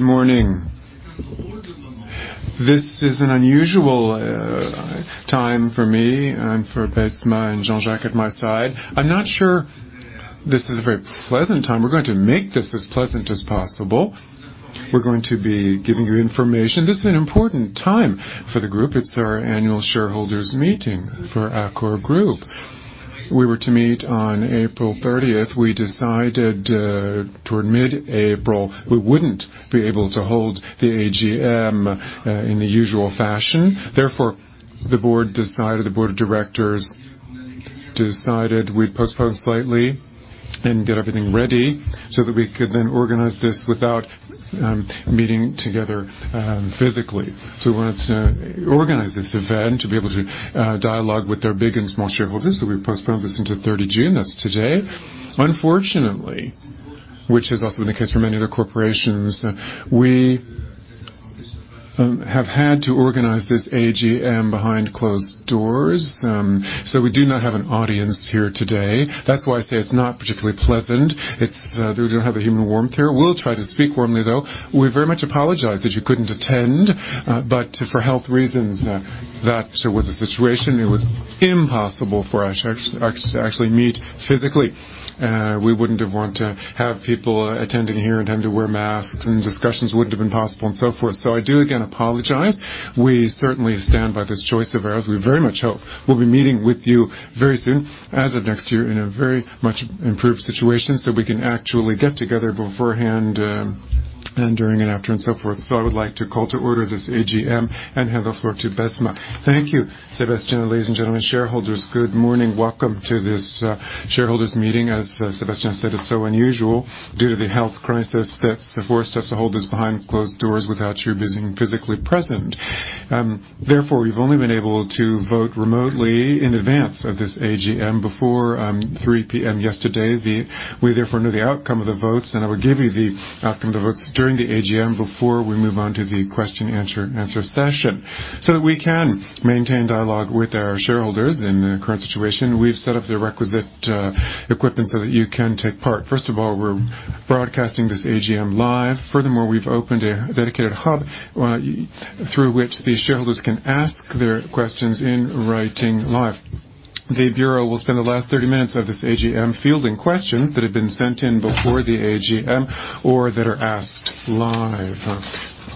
Good morning. This is an unusual time for me, and for Besma and Jean-Jacques at my side. I'm not sure this is a very pleasant time. We're going to make this as pleasant as possible. We're going to be giving you information. This is an important time for the group. It's our annual shareholders' meeting for Accor Group. We were to meet on April 30th. We decided toward mid-April we wouldn't be able to hold the AGM in the usual fashion. Therefore, the board decided, the board of directors decided we'd postpone slightly and get everything ready so that we could then organize this without meeting together physically. So we wanted to organize this event to be able to dialogue with our big and small shareholders, so we postponed this into 30th June. That's today. Unfortunately, which has also been the case for many other corporations, we have had to organize this AGM behind closed doors, so we do not have an audience here today. That's why I say it's not particularly pleasant. We don't have the human warmth here. We'll try to speak warmly, though. We very much apologize that you couldn't attend, but for health reasons, that was the situation. It was impossible for us to actually meet physically. We wouldn't have wanted to have people attending here and having to wear masks, and discussions wouldn't have been possible, and so forth. So I do, again, apologize. We certainly stand by this choice of ours. We very much hope we'll be meeting with you very soon, as of next year, in a very much improved situation so we can actually get together beforehand, and during, and after, and so forth. I would like to call to order this AGM and hand the floor to Besma. Thank you. Sébastien, ladies and gentlemen, shareholders, good morning. Welcome to this shareholders' meeting. As Sebastian said, it's so unusual due to the health crisis that's forced us to hold this behind closed doors without you being physically present. Therefore, we've only been able to vote remotely in advance of this AGM before 3:00 P.M. yesterday. We, therefore, know the outcome of the votes, and I will give you the outcome of the votes during the AGM before we move on to the question-answer session so that we can maintain dialogue with our shareholders in the current situation. We've set up the requisite equipment so that you can take part. First of all, we're broadcasting this AGM live. Furthermore, opened a dedicated hub through which the shareholders can ask their questions in writing live. The bureau will spend the last 30 minutes of this AGM fielding questions that have been sent in before the AGM or that are asked live.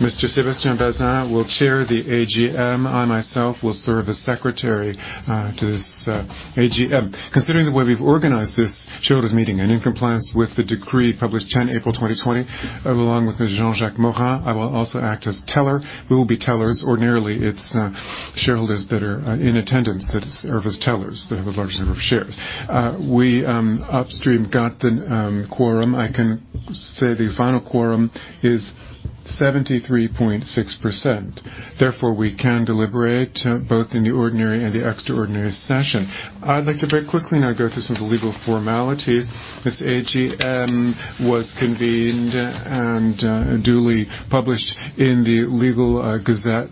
Mr. Sébastien Bazin will chair the AGM. I, myself, will serve as secretary to this AGM. Considering the way we've organized this shareholders' meeting and in compliance with the decree published 10 April 2020, along with Mr. Jean-Jacques Morin, I will also act as teller. We will be tellers. Ordinarily, it's shareholders that are in attendance that serve as tellers that have a large number of shares. We upstream got the quorum. I can say the final quorum is 73.6%. Therefore, we can deliberate both in the ordinary and the extraordinary session. I'd like to very quickly now go through some of the legal formalities. This AGM was convened and duly published in the legal gazette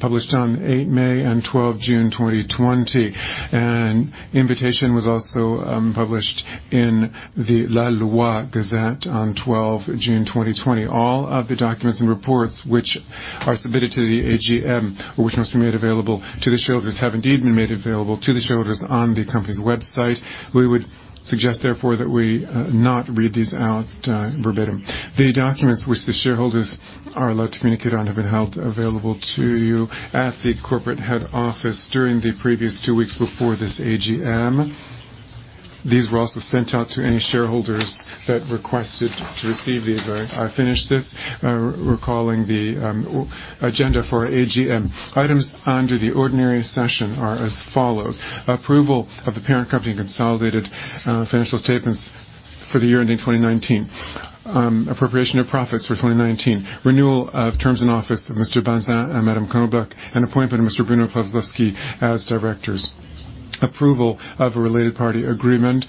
published on 8 May and 12 June 2020. An invitation was also published in the La Loi gazette on 12th June 2020. All of the documents and reports which are submitted to the AGM, which must be made available to the shareholders, have indeed been made available to the shareholders on the company's website. We would suggest, therefore, that we not read these out verbatim. The documents which the shareholders are allowed to communicate on have been held available to you at the corporate head office during the previous two weeks before this AGM. These were also sent out to any shareholders that requested to receive these as I finish this, recalling the agenda for our AGM. Items under the ordinary session are as follows: approval of the parent company consolidated financial statements for the year ending 2019, appropriation of profits for 2019, renewal of terms in office of Mr. Bazin and Madame Knobloch, and appointment of Mr. Bruno Pavlovsky as directors, approval of a related party agreement,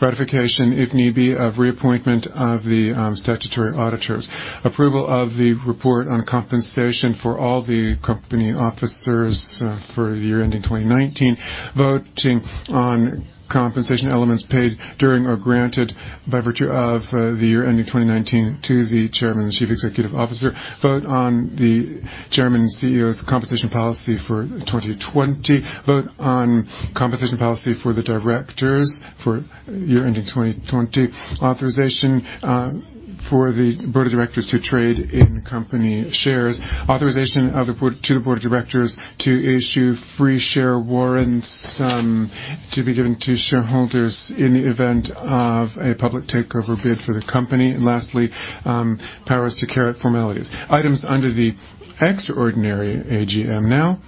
ratification, if need be, of reappointment of the statutory auditors, approval of the report on compensation for all the company officers for the year ending 2019, voting on compensation elements paid during or granted by virtue of the year ending 2019 to the Chairman and Chief Executive Officer, vote on the Chairman and CEO's compensation policy for 2020, vote on compensation policy for the directors for year ending 2020. Authorization for the board of directors to trade in company shares, authorization to the board of directors to issue free share warrants to be given to shareholders in the event of a public takeover bid for the company, and lastly, powers to carry out formalities. Items under the extraordinary AGM now: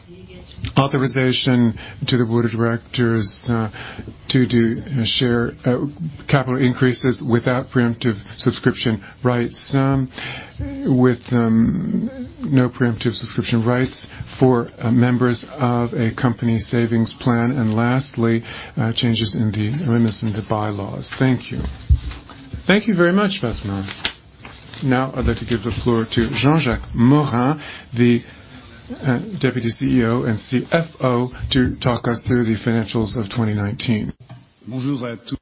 authorization to the board of directors to do capital increases without preemptive subscription rights, with no preemptive subscription rights for members of a company savings plan, and lastly, changes in the remits and the bylaws. Thank you. Thank you very much, Besma. Now, I'd like to give the floor to Jean-Jacques Morin, the Deputy CEO and CFO, to talk us through the financials of 2019. Bonjour à tous.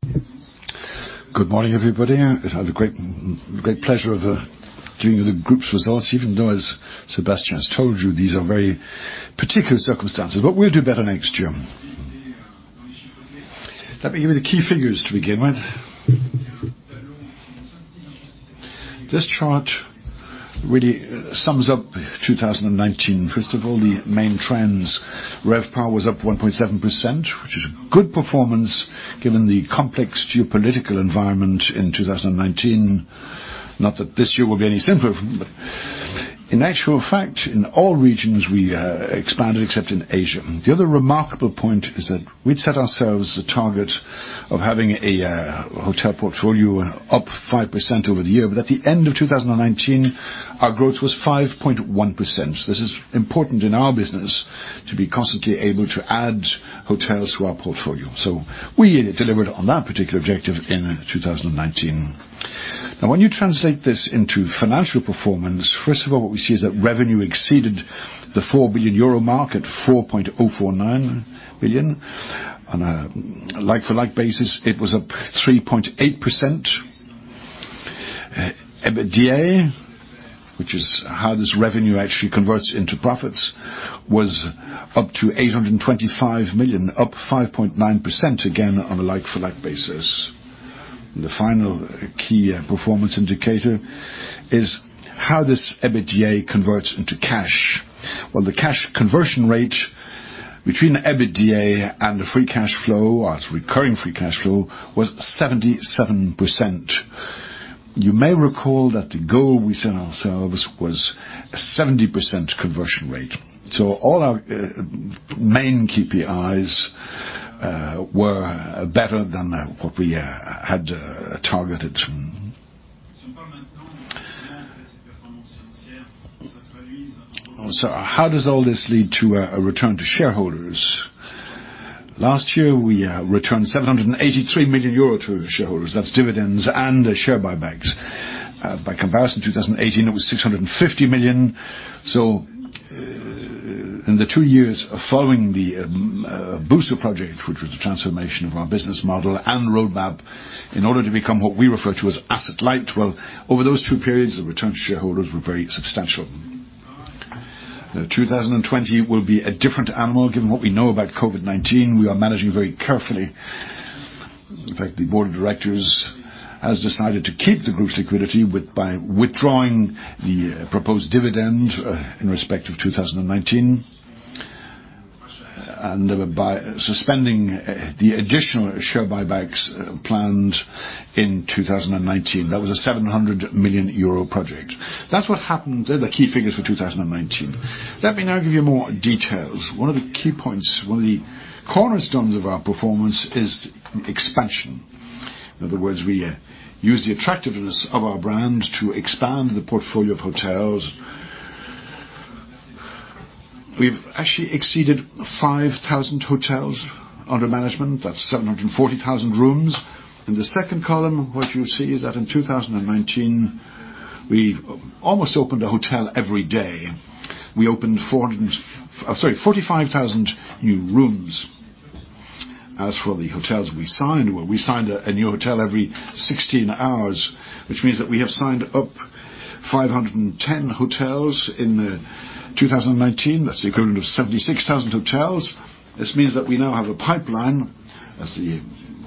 Good morning, everybody. I have the great pleasure of dealing with the group's results, even though, as Sebastian has told you, these are very particular circumstances, but we'll do better next year. Let me give you the key figures to begin with. This chart really sums up 2019. First of all, the main trends. RevPAR was up 1.7%, which is a good performance given the complex geopolitical environment in 2019. Not that this year will be any simpler, but in actual fact, in all regions, we expanded except in Asia. The other remarkable point is that we'd set ourselves the target of having a hotel portfolio up 5% over the year, but at the end of 2019, our growth was 5.1%. This is important in our business to be constantly able to add hotels to our portfolio. So we delivered on that particular objective in 2019. Now, when you translate this into financial performance, first of all, what we see is that revenue exceeded the 4 billion euro mark, at 4.049 billion. On a like-for-like basis, it was up 3.8%. EBITDA, which is how this revenue actually converts into profits, was up to 825 million, up 5.9% again on a like-for-like basis. The final key performance indicator is how this EBITDA converts into cash. The cash conversion rate between EBITDA and the free cash flow, or recurring free cash flow, was 77%. You may recall that the goal we set ourselves was a 70% conversion rate. So all our main KPIs were better than what we had targeted. So how does all this lead to a return to shareholders? Last year, we returned 783 million euro to shareholders. That's dividends and share buybacks. By comparison, 2018, it was 650 million. So in the two years following the Booster project, which was the transformation of our business model and roadmap in order to become what we refer to as asset light, well, over those two periods, the return to shareholders was very substantial. 2020 will be a different animal. Given what we know about COVID-19, we are managing very carefully. In fact, the board of directors has decided to keep the group's liquidity by withdrawing the proposed dividend in respect of 2019 and by suspending the additional share buybacks planned in 2019. That was a 700 million euro project. That's what happened. They're the key figures for 2019. Let me now give you more details. One of the key points, one of the cornerstones of our performance, is expansion. In other words, we use the attractiveness of our brand to expand the portfolio of hotels. We've actually exceeded 5,000 hotels under management. That's 740,000 rooms. In the second column, what you'll see is that in 2019, we almost opened a hotel every day. We opened 45,000 new rooms. As for the hotels we signed, well, we signed a new hotel every 16 hours, which means that we have signed up 510 hotels in 2019. That's the equivalent of 76,000 hotels. This means that we now have a pipeline as the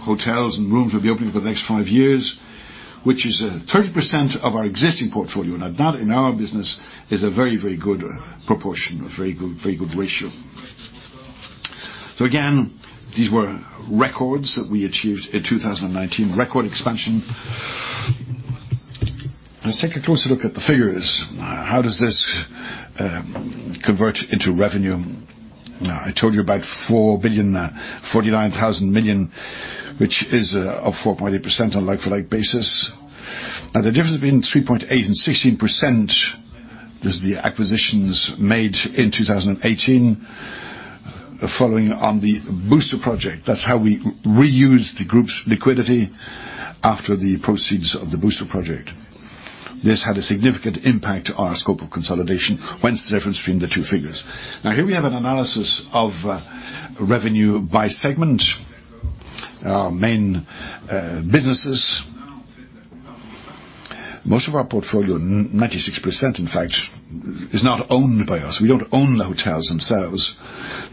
hotels and rooms will be opening for the next five years, which is 30% of our existing portfolio. Now, that in our business is a very, very good proportion, a very good ratio. So again, these were records that we achieved in 2019, record expansion. Let's take a closer look at the figures. How does this convert into revenue? I told you about 4.09 billion, which is up 4.8% on a like-for-like basis. Now, the difference between 3.8% and 16% is the acquisitions made in 2018 following on the Booster project. That's how we reused the group's liquidity after the proceeds of the Booster project. This had a significant impact on our scope of consolidation. Hence the difference between the two figures. Now, here we have an analysis of revenue by segment, our main businesses. Most of our portfolio, 96% in fact, is not owned by us. We don't own the hotels themselves.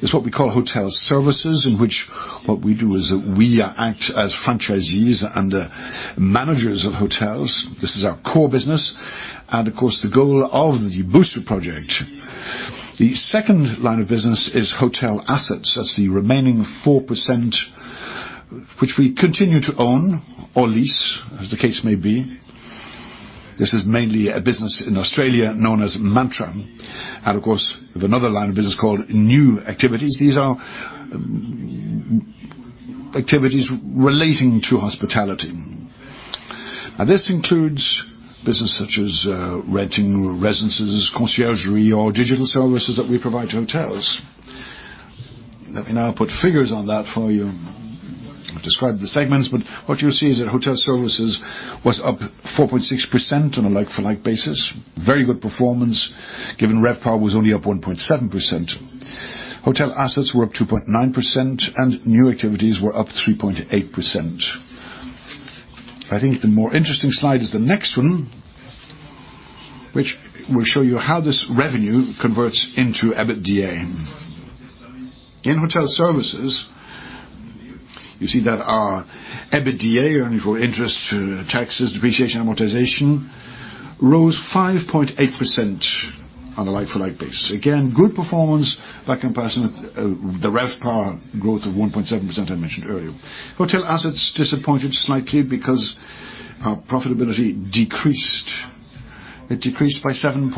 It's what we call hotel services, in which what we do is we act as franchisees and managers of hotels. This is our core business and of course, the goal of the Booster project. The second line of business is hotel assets. That's the remaining 4%, which we continue to own or lease, as the case may be. This is mainly a business in Australia known as Mantra. And of course, we have another line of business called new activities. These are activities relating to hospitality. Now, this includes business such as renting residences, concierge, or digital services that we provide to hotels. Let me now put figures on that for you. I've described the segments, but what you'll see is that hotel services was up 4.6% on a like-for-like basis. Very good performance given RevPAR was only up 1.7%. Hotel assets were up 2.9%, and new activities were up 3.8%. I think the more interesting slide is the next one, which will show you how this revenue converts into EBITDA. In hotel services, you see that our EBITDA, earnings before interest, taxes, depreciation, amortization, rose 5.8% on a like-for-like basis. Again, good performance by comparison with the RevPAR growth of 1.7% I mentioned earlier. Hotel assets disappointed slightly because our profitability decreased. It decreased by 7.3%.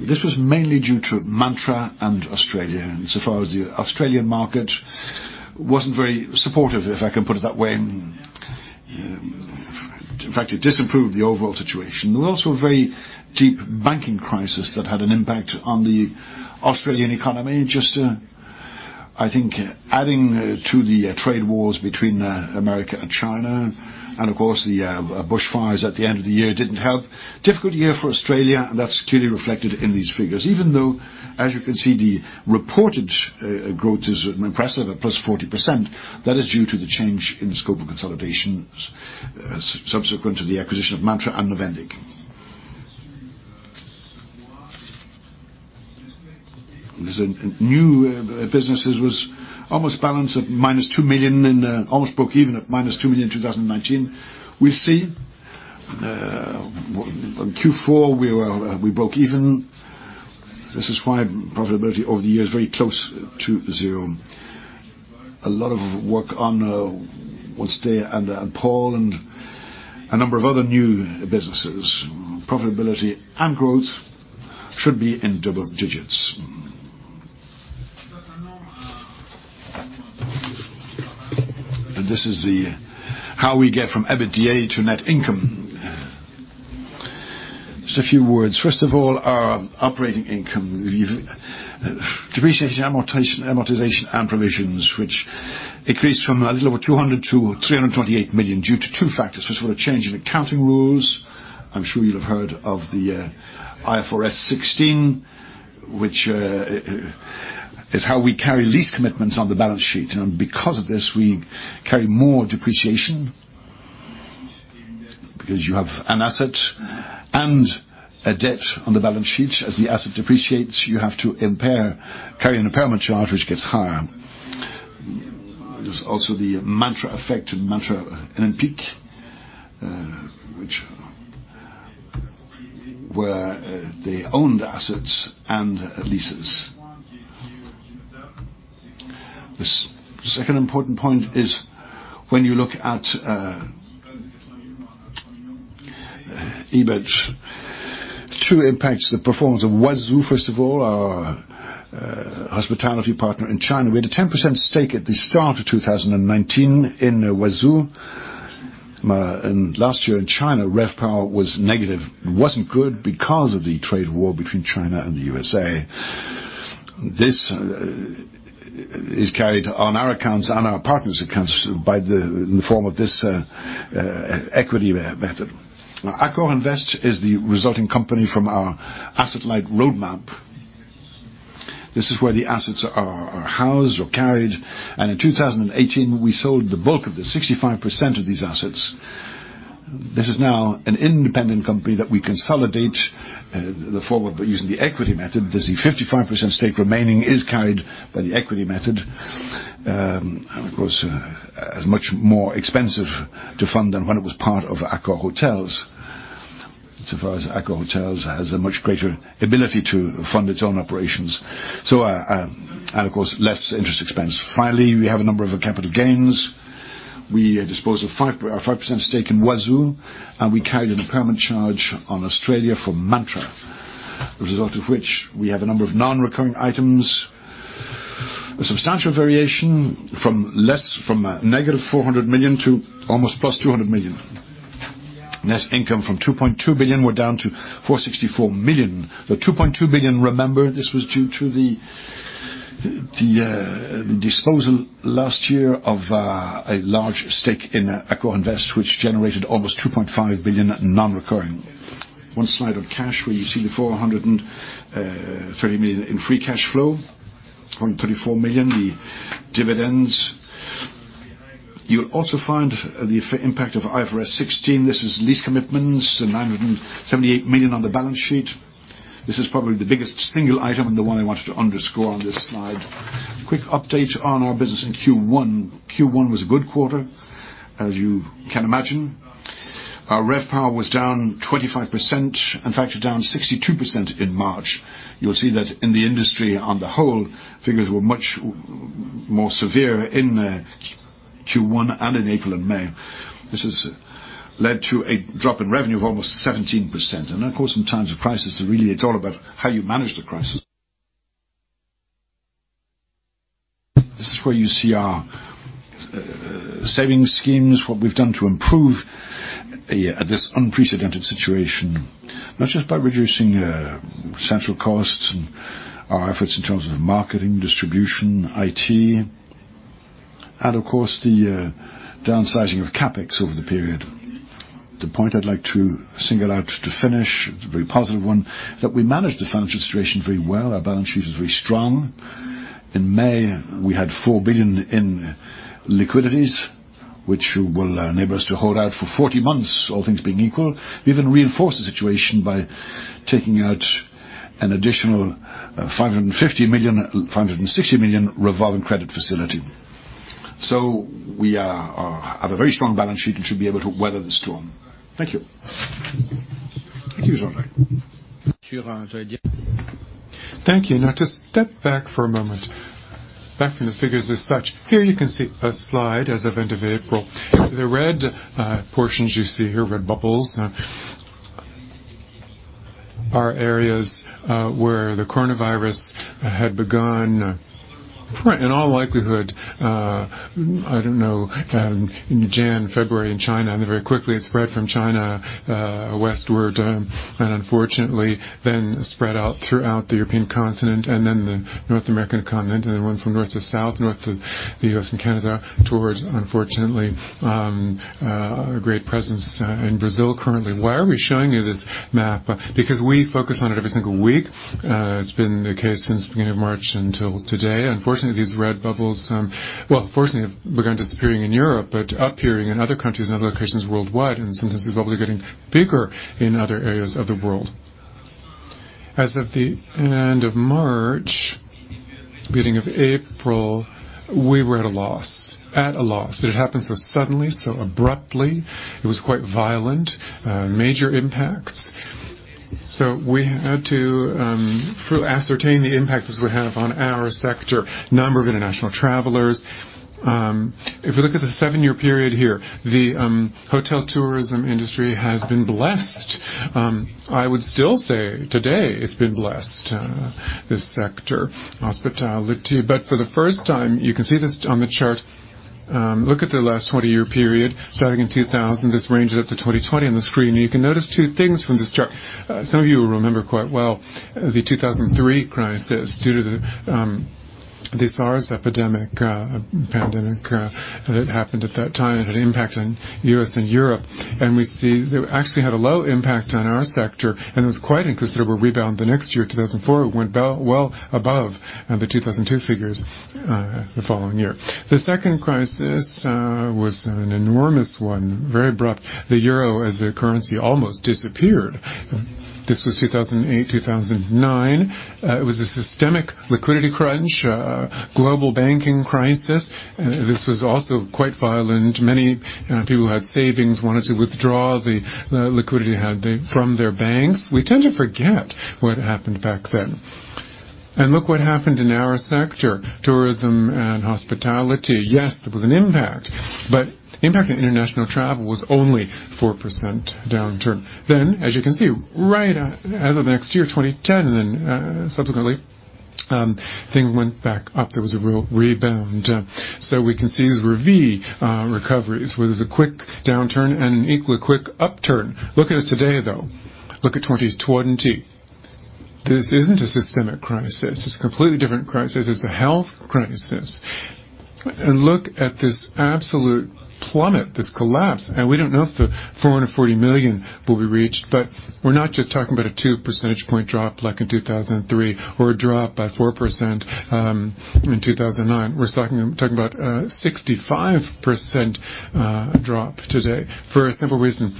This was mainly due to Mantra and Australia. Insofar as the Australian market wasn't very supportive, if I can put it that way. In fact, it disimproved the overall situation. There was also a very deep banking crisis that had an impact on the Australian economy, just, I think, adding to the trade wars between America and China. And of course, the bushfires at the end of the year didn't help. Difficult year for Australia, and that's clearly reflected in these figures. Even though, as you can see, the reported growth is impressive at 40%, that is due to the change in the scope of consolidations subsequent to the acquisition of Mantra and Mövenpick. New businesses were almost balanced at -2 million and almost broke even at -2 million in 2019. We see in Q4 we broke even. This is why profitability over the year is very close to zero. A lot of work on Onefinestay and John Paul and a number of other new businesses. Profitability and growth should be in double digits. And this is how we get from EBITDA to net income. Just a few words. First of all, our operating income, depreciation, amortization, and provisions, which increased from a little over 200 million-328 million due to two factors. First of all, a change in accounting rules. I'm sure you'll have heard of the IFRS 16, which is how we carry lease commitments on the balance sheet. And because of this, we carry more depreciation because you have an asset and a debt on the balance sheet. As the asset depreciates, you have to carry an impairment charge, which gets higher. There's also the Mantra effect and Mantra and Mövenpick, which were the owned assets and leases. The second important point is when you look at EBIT, two impacts the performance of Huazhu. First of all, our hospitality partner in China. We had a 10% stake at the start of 2019 in Huazhu. Last year in China, RevPAR was negative. It wasn't good because of the trade war between China and the U.S.A. This is carried on our accounts, on our partners' accounts in the form of this equity method. Now, AccorInvest is the resulting company from our asset-light roadmap. This is where the assets are housed or carried. In 2018, we sold the bulk of the 65% of these assets. This is now an independent company that we consolidate in the form of using the equity method. There's a 55% stake remaining that is carried by the equity method. And of course, it's much more expensive to fund than when it was part of AccorHotels. Insofar as AccorHotels has a much greater ability to fund its own operations. And of course, less interest expense. Finally, we have a number of capital gains. We dispose of our 5% stake in Huazhu, and we carried an impairment charge on Australia for Mantra, as a result of which we have a number of non-recurring items. A substantial variation from -400 million to almost +200 million. Net income from 2.2 billion was down to 464 million. The 2.2 billion, remember, this was due to the disposal last year of a large stake in AccorInvest, which generated almost 2.5 billion non-recurring. One slide on cash where you see the 430 million in free cash flow, 434 million, the dividends. You'll also find the impact of IFRS 16. This is lease commitments, 978 million on the balance sheet. This is probably the biggest single item and the one I wanted to underscore on this slide. Quick update on our business in Q1. Q1 was a good quarter, as you can imagine. Our RevPAR was down 25%, in fact, down 62% in March. You'll see that in the industry on the whole, figures were much more severe in Q1 and in April and May. This has led to a drop in revenue of almost 17%. Of course, in times of crisis, really, it's all about how you manage the crisis. This is where you see our savings schemes, what we've done to improve this unprecedented situation, not just by reducing central costs and our efforts in terms of marketing, distribution, IT. And of course, the downsizing of CapEx over the period. The point I'd like to single out to finish, it's a very positive one, is that we managed the financial situation very well. Our balance sheet is very strong. In May, we had 4 billion in liquidities, which will enable us to hold out for 40 months, all things being equal. We even reinforced the situation by taking out an additional 560 million revolving credit facility. So we have a very strong balance sheet and should be able to weather the storm. Thank you. Thank you, Jean-Jacques. Thank you. Now, to step back for a moment, back from the figures as such. Here you can see a slide as of end of April. The red portions you see here, red bubbles, are areas where the coronavirus had begun, in all likelihood, I don't know, in January, February in China, and very quickly, it spread from China westward and unfortunately then spread out throughout the European continent and then the North American continent, and then went from north to south, north to the U.S. and Canada, towards, unfortunately, a great presence in Brazil currently. Why are we showing you this map? Because we focus on it every single week. It's been the case since the beginning of March until today. Unfortunately, these red bubbles, well, fortunately, have begun disappearing in Europe but appearing in other countries and other locations worldwide. And sometimes these bubbles are getting bigger in other areas of the world. As of the end of March, beginning of April, we were at a loss. It had happened so suddenly, so abruptly. It was quite violent, major impacts. So we had to ascertain the impact this would have on our sector, number of international travelers. If we look at the seven-year period here, the hotel tourism industry has been blessed. I would still say today it's been blessed, this sector, hospitality. But for the first time, you can see this on the chart. Look at the last 20-year period, starting in 2000. This ranges up to 2020 on the screen. You can notice two things from this chart. Some of you will remember quite well the 2003 crisis due to the SARS epidemic, pandemic that happened at that time and had an impact on the U.S. and Europe. And we see it actually had a low impact on our sector and was quite considerable rebound the next year. 2004 went well above the 2002 figures the following year. The second crisis was an enormous one, very abrupt. The Euro as a currency almost disappeared. This was 2008, 2009. It was a systemic liquidity crunch, global banking crisis. This was also quite violent. Many people who had savings wanted to withdraw the liquidity from their banks. We tend to forget what happened back then. And look what happened in our sector, tourism and hospitality. Yes, there was an impact. But the impact on international travel was only 4% downturn. Then, as you can see, right as of the next year, 2010, and then subsequently, things went back up. There was a real rebound. We can see these RevPAR recoveries, where there's a quick downturn and an equally quick upturn. Look at us today, though. Look at 2020. This isn't a systemic crisis. It's a completely different crisis. It's a health crisis. And look at this absolute plummet, this collapse. And we don't know if the 440 million will be reached, but we're not just talking about a 2 percentage point drop like in 2003 or a drop by 4% in 2009. We're talking about a 65% drop today for a simple reason.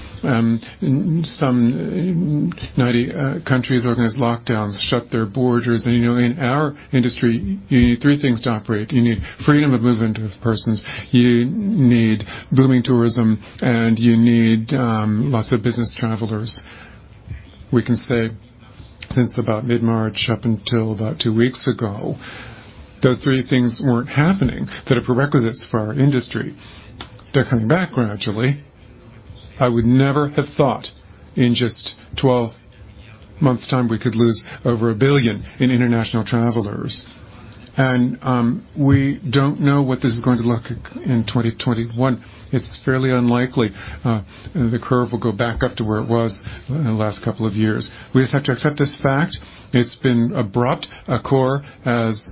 Some 90 countries organized lockdowns, shut their borders. And in our industry, you need three things to operate. You need freedom of movement of persons. You need booming tourism, and you need lots of business travelers. We can say since about mid-March up until about two weeks ago, those three things weren't happening. They're the prerequisites for our industry. They're coming back gradually. I would never have thought in just 12 months' time we could lose over a billion in international travelers. And we don't know what this is going to look like in 2021. It's fairly unlikely the curve will go back up to where it was in the last couple of years. We just have to accept this fact. It's been abrupt. Accor, as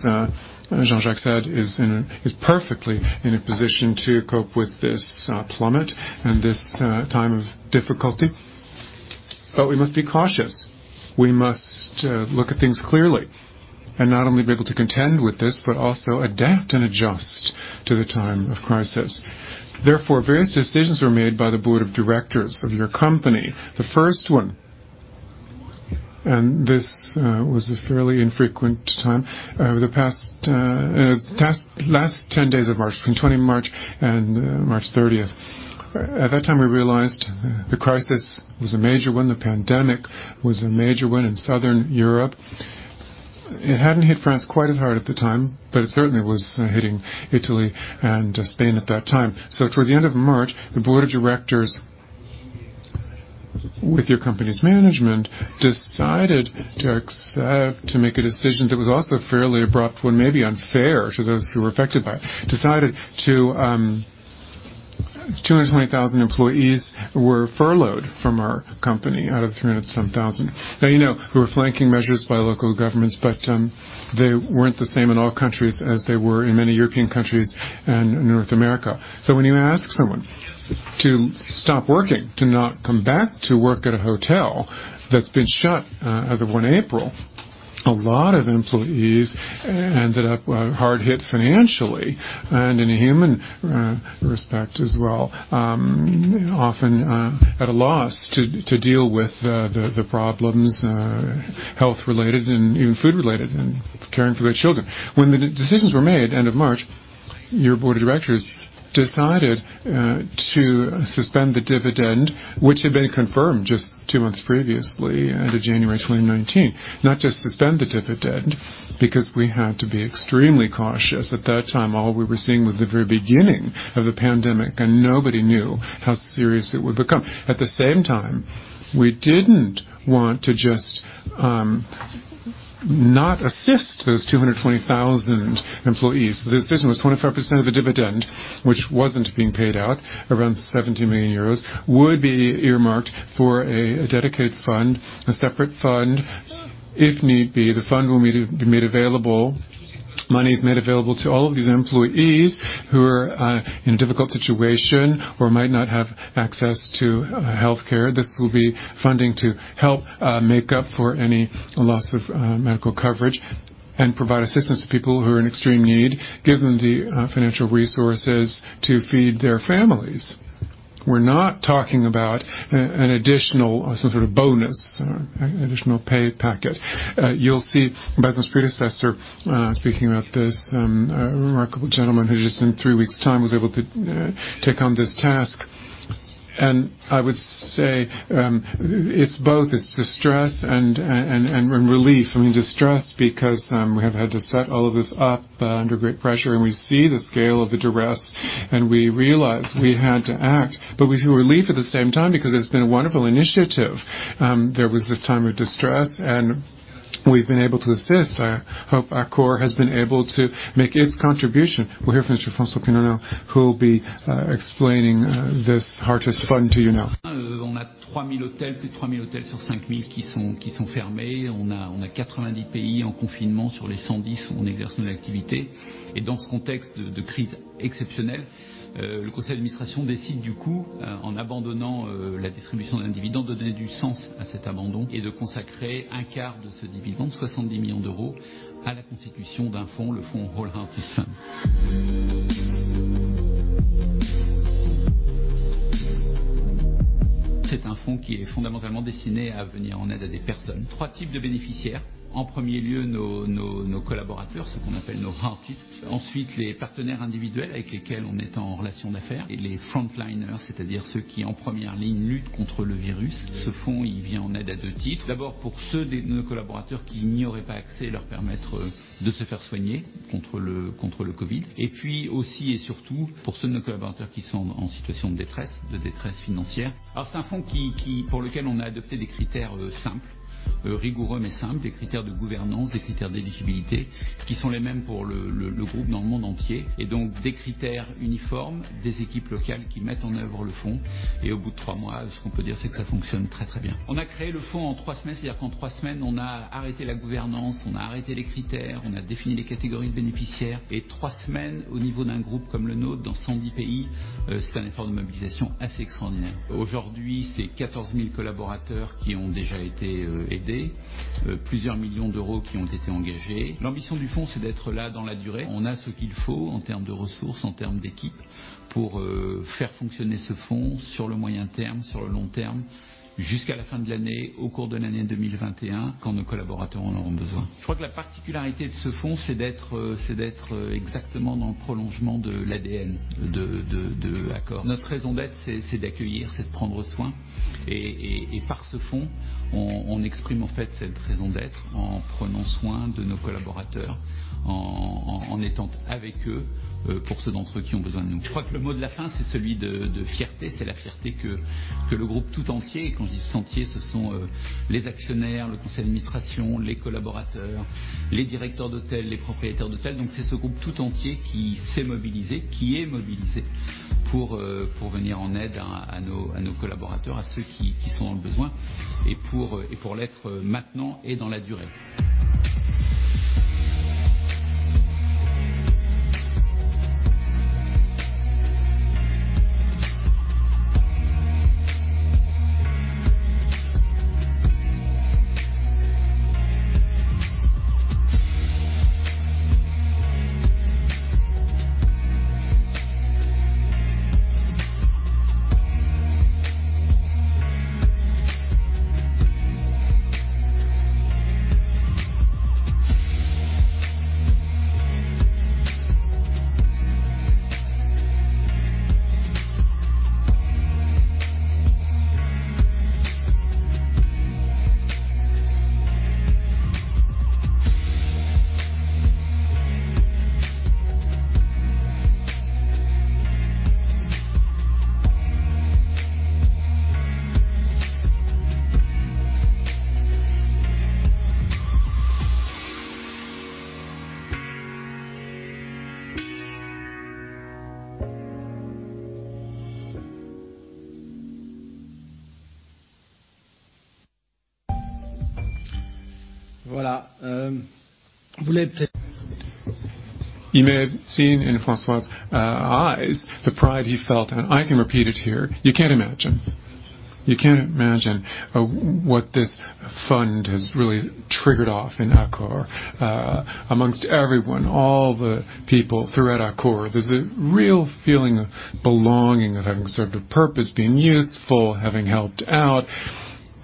Jean-Jacques said, is perfectly in a position to cope with this plummet and this time of difficulty. But we must be cautious. We must look at things clearly and not only be able to contend with this, but also adapt and adjust to the time of crisis. Therefore, various decisions were made by the board of directors of your company. The first one, and this was a fairly infrequent time, the last 10 days of March, between 20th March and March 30th. At that time, we realized the crisis was a major one. The pandemic was a major one in southern Europe. It hadn't hit France quite as hard at the time, but it certainly was hitting Italy and Spain at that time. So toward the end of March, the board of directors with your company's management decided to make a decision that was also fairly abrupt and maybe unfair to those who were affected by it. They decided that 220,000 employees were furloughed from our company out of 300-some thousand. Now, you know we were following measures by local governments, but they weren't the same in all countries as they were in many European countries and North America. When you ask someone to stop working, to not come back to work at a hotel that's been shut as of 1st April, a lot of employees ended up hard hit financially and in human respect as well, often at a loss to deal with the problems health-related and even food-related and caring for their children. When the decisions were made end of March, your board of directors decided to suspend the dividend, which had been confirmed just two months previously end of January 2019. Not just suspend the dividend because we had to be extremely cautious. At that time, all we were seeing was the very beginning of the pandemic, and nobody knew how serious it would become. At the same time, we didn't want to just not assist those 220,000 employees. The decision was 25% of the dividend, which wasn't being paid out, around 70 million euros, would be earmarked for a dedicated fund, a separate fund if need be. The fund will be made available. Money is made available to all of these employees who are in a difficult situation or might not have access to healthcare. This will be funding to help make up for any loss of medical coverage and provide assistance to people who are in extreme need, give them the financial resources to feed their families. We're not talking about an additional sort of bonus, additional pay packet. You'll see Besma's predecessor speaking about this remarkable gentleman who just in three weeks' time was able to take on this task, and I would say it's both distress and relief. I mean, distress because we have had to set all of this up under great pressure, and we see the scale of the duress, and we realize we had to act. But we feel relief at the same time because it's been a wonderful initiative. There was this time of distress, and we've been able to assist. I hope Accor has been able to make its contribution. We'll hear from Jean-Jacques Morin, who will be explaining this Heartist Fund to you now. On a 3,000 hôtels, plus de 3,000 hôtels sur 5,000 qui sont fermés. On a 90 pays en confinement sur les 110 où on exerce nos activités. Et dans ce contexte de crise exceptionnelle, le conseil d'administration décide, du coup, en abandonnant la distribution d'un dividende, de donner du sens à cet abandon et de consacrer un quart de ce dividende, 70 millions, à la constitution d'un fonds, le fonds ALL Heartist. C'est un fonds qui est fondamentalement destiné à venir en aide à des personnes. Trois types de bénéficiaires. En premier lieu, nos collaborateurs, ceux qu'on appelle nos Heartists. Ensuite, les partenaires individuels avec lesquels on est en relation d'affaires. Et les frontliners, c'est-à-dire ceux qui, en première ligne, luttent contre le virus. Ce fonds, il vient en aide à deux titres. D'abord, pour ceux de nos collaborateurs qui n'y auraient pas accès, leur permettre de se faire soigner contre le Covid. Et puis aussi et surtout pour ceux de nos collaborateurs qui sont en situation de détresse, de détresse financière. Alors, c'est un fonds pour lequel on a adopté des critères simples, rigoureux mais simples, des critères de gouvernance, des critères d'éligibilité, qui sont les mêmes pour le groupe dans le monde entier. Et donc, des critères uniformes, des équipes locales qui mettent en œuvre le fonds. Et au bout de trois mois, ce qu'on peut dire, c'est que ça fonctionne très, très bien. On a créé le fonds en trois semaines, c'est-à-dire qu'en trois semaines, on a arrêté la gouvernance, on a arrêté les critères, on a défini les catégories de bénéficiaires. Et trois semaines au niveau d'un groupe comme le nôtre dans 110 pays, c'est un effort de mobilisation assez extraordinaire. Aujourd'hui, c'est 14,000 collaborateurs qui ont déjà été aidés, plusieurs millions EUR qui ont été engagés. L'ambition du fonds, c'est d'être là dans la durée. On a ce qu'il faut en termes de ressources, en termes d'équipes pour faire fonctionner ce fonds sur le moyen terme, sur le long terme, jusqu'à la fin de l'année, au cours de l'année 2021, quand nos collaborateurs en auront besoin. Je crois que la particularité de ce fonds, c'est d'être exactement dans le prolongement de l'ADN d'Accor. Notre raison d'être, c'est d'accueillir, c'est de prendre soin. Et par ce fonds, on exprime en fait cette raison d'être en prenant soin de nos collaborateurs, en étant avec eux pour ceux d'entre eux qui ont besoin de nous. Je crois que le mot de la fin, c'est celui de fierté. C'est la fierté que le groupe tout entier, et quand je dis tout entier, ce sont les actionnaires, le conseil d'administration, les collaborateurs, les directeurs d'hôtels, les propriétaires d'hôtels. Donc, c'est ce groupe tout entier qui s'est mobilisé, qui est mobilisé pour venir en aide à nos collaborateurs, à ceux qui sont dans le besoin, et pour l'être maintenant et dans la durée. Voilà. The message in François' eyes, the pride he felt, and I can repeat it here. You can't imagine. You can't imagine what this fund has really triggered off in Accor. Amongst everyone, all the people throughout Accor, there's a real feeling of belonging, of having served a purpose, being useful, having helped out.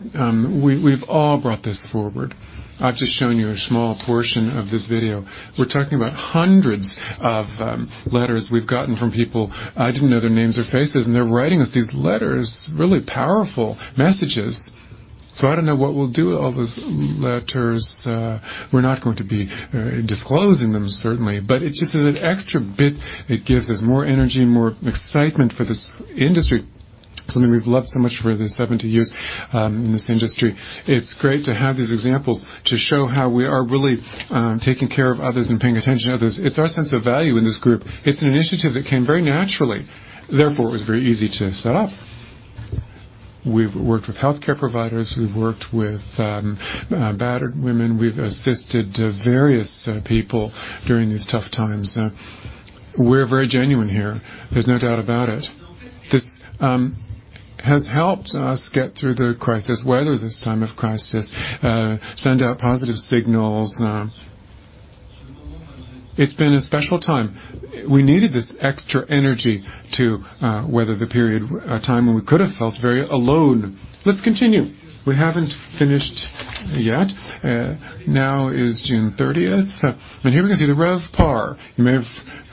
We've all brought this forward. I've just shown you a small portion of this video. We're talking about hundreds of letters we've gotten from people. I didn't know their names or faces, and they're writing us these letters, really powerful messages, so I don't know what we'll do with all those letters. We're not going to be disclosing them, certainly. But it just is an extra bit. It gives us more energy, more excitement for this industry, something we've loved so much for the 70 years in this industry. It's great to have these examples to show how we are really taking care of others and paying attention to others. It's our sense of value in this group. It's an initiative that came very naturally. Therefore, it was very easy to set up. We've worked with healthcare providers. We've worked with battered women. We've assisted various people during these tough times. We're very genuine here. There's no doubt about it. This has helped us get through the crisis, weather this time of crisis, send out positive signals. It's been a special time. We needed this extra energy to weather the period, a time when we could have felt very alone. Let's continue. We haven't finished yet. Now is June 30th. And here we can see the RevPAR. You may have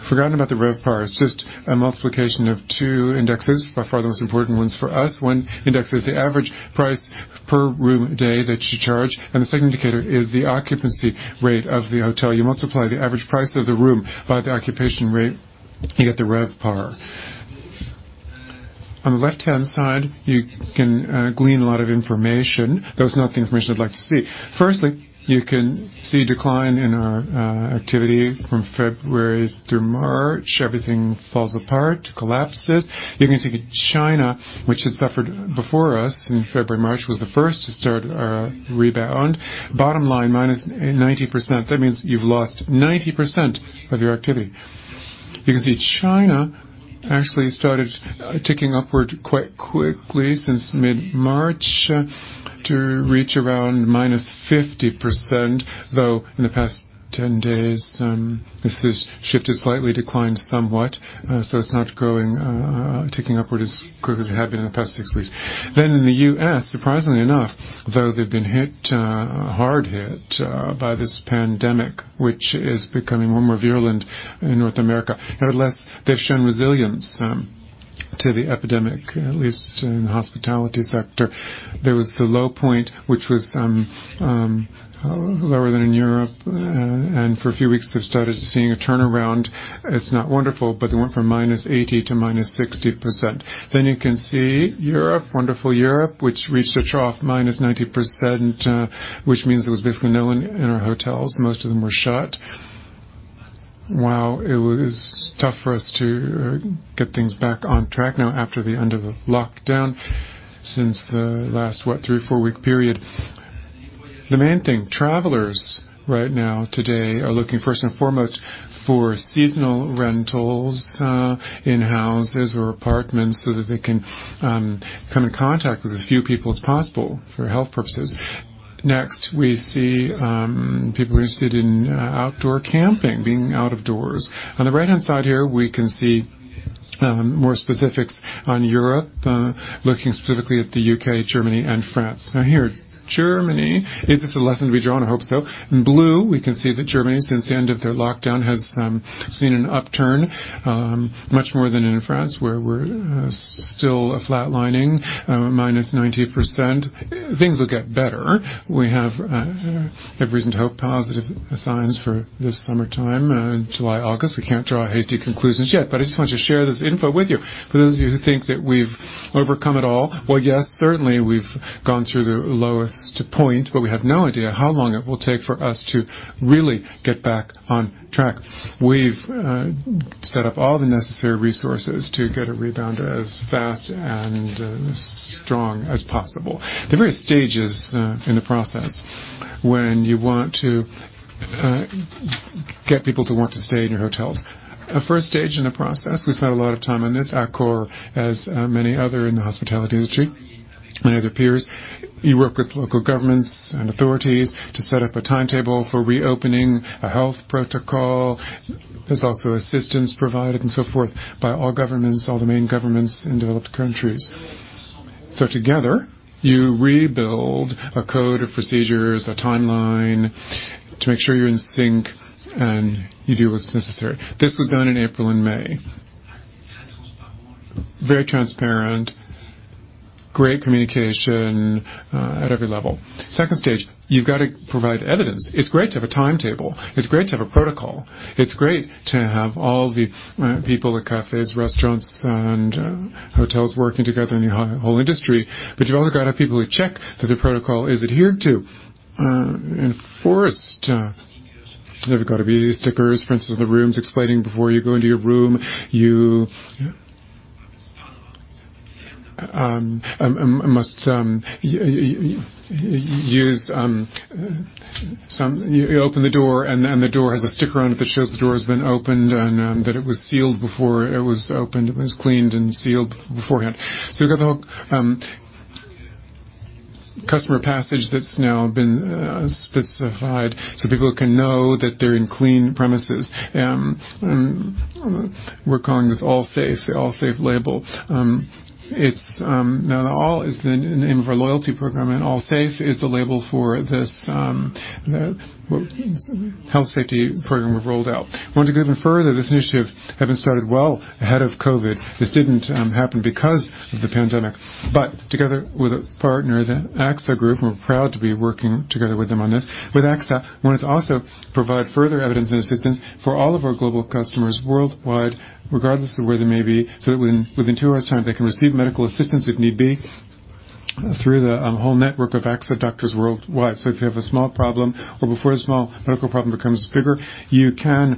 forgotten about the RevPAR. It's just a multiplication of two indexes, by far the most important ones for us. One index is the average price per room day that you charge. And the second indicator is the occupancy rate of the hotel. You multiply the average price of the room by the occupancy rate. You get the RevPAR. On the left-hand side, you can glean a lot of information. That was not the information I'd like to see. Firstly, you can see a decline in our activity from February through March. Everything falls apart, collapses. You can see China, which had suffered before us in February, March, was the first to start a rebound. Bottom line, -90%. That means you've lost 90% of your activity. You can see China actually started ticking upward quite quickly since mid-March to reach around +50%, though in the past 10 days, this has shifted slightly, declined somewhat, so it's not growing, ticking upward as quick as it had been in the past six weeks, then in the U.S., surprisingly enough, though they've been hit, hard hit by this pandemic, which is becoming more and more virulent in North America. Nevertheless, they've shown resilience to the epidemic, at least in the hospitality sector. There was the low point, which was lower than in Europe, and for a few weeks, they've started seeing a turnaround. It's not wonderful, but they went from -80% to -60%. Then you can see Europe, wonderful Europe, which reached a trough, -90%, which means there was basically no one in our hotels. Most of them were shut. Wow, it was tough for us to get things back on track now after the end of the lockdown since the last, what, three, four-week period. The main thing, travelers right now today are looking first and foremost for seasonal rentals in houses or apartments so that they can come in contact with as few people as possible for health purposes. Next, we see people who are interested in outdoor camping, being out of doors. On the right-hand side here, we can see more specifics on Europe, looking specifically at the U.K., Germany, and France. Now here, Germany, is this a lesson to be drawn? I hope so. In blue, we can see that Germany, since the end of their lockdown, has seen an upturn, much more than in France, where we're still flatlining, -90%. Things will get better. We have reason to hope positive signs for this summertime, July, August. We can't draw hasty conclusions yet, but I just wanted to share this info with you. For those of you who think that we've overcome it all, well, yes, certainly, we've gone through the lowest point, but we have no idea how long it will take for us to really get back on track. We've set up all the necessary resources to get a rebound as fast and as strong as possible. There are various stages in the process when you want to get people to want to stay in your hotels. A first stage in the process, we spent a lot of time on this, Accor, as many other in the hospitality industry, many other peers. You work with local governments and authorities to set up a timetable for reopening, a health protocol. There's also assistance provided and so forth by all governments, all the main governments in developed countries. So together, you rebuild a code of procedures, a timeline to make sure you're in sync and you do what's necessary. This was done in April and May. Very transparent, great communication at every level. Second stage, you've got to provide evidence. It's great to have a timetable. It's great to have a protocol. It's great to have all the people at cafes, restaurants, and hotels working together in the whole industry. But you've also got to have people who check that the protocol is adhered to and enforced. There have got to be stickers, for instance, in the rooms, explaining before you go into your room, you must use some. You open the door, and the door has a sticker on it that shows the door has been opened and that it was sealed before it was opened. It was cleaned and sealed beforehand. So you've got the whole customer passage that's now been specified so people can know that they're in clean premises. We're calling this ALLSAFE, the ALLSAFE label. Now, the All is the name of our loyalty program, and ALLSAFE is the label for this health safety program we've rolled out. We want to go even further. This initiative had been started well ahead of COVID. This didn't happen because of the pandemic. But together with a partner, the AXA Group, we're proud to be working together with them on this. With AXA, we want to also provide further evidence and assistance for all of our global customers worldwide, regardless of where they may be, so that within two hours' time, they can receive medical assistance if need be through the whole network of AXA doctors worldwide. So if you have a small problem or before a small medical problem becomes bigger, you can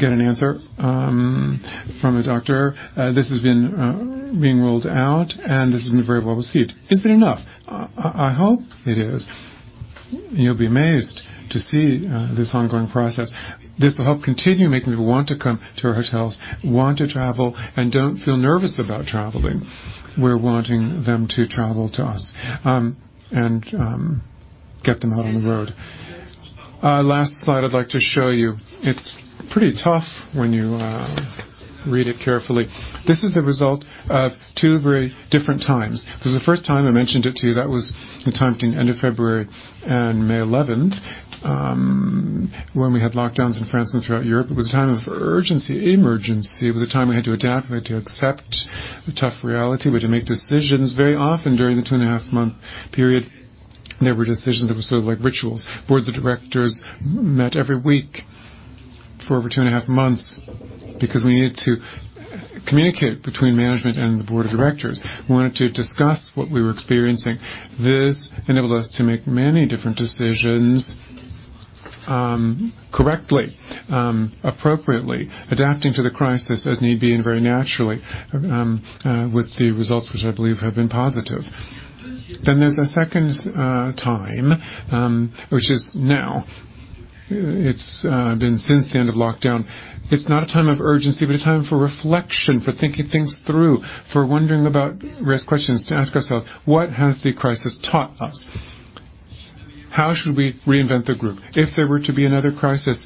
get an answer from a doctor. This has been being rolled out, and this has been very well received. Is it enough? I hope it is. You'll be amazed to see this ongoing process. This will help continue making people want to come to our hotels, want to travel, and don't feel nervous about traveling. We're wanting them to travel to us and get them out on the road. Last slide I'd like to show you. It's pretty tough when you read it carefully. This is the result of two very different times. This is the first time I mentioned it to you. That was the time between the end of February and May 11th, when we had lockdowns in France and throughout Europe. It was a time of urgency, emergency. It was a time we had to adapt. We had to accept the tough reality. We had to make decisions. Very often, during the two-and-a-half-month period, there were decisions that were sort of like rituals. Boards of directors met every week for over 2.5 months because we needed to communicate between management and the board of directors. We wanted to discuss what we were experiencing. This enabled us to make many different decisions correctly, appropriately, adapting to the crisis as need be and very naturally with the results, which I believe have been positive. Then there's a second time, which is now. It's been since the end of lockdown. It's not a time of urgency, but a time for reflection, for thinking things through, for wondering about questions, to ask ourselves, "What has the crisis taught us? How should we reinvent the group? If there were to be another crisis,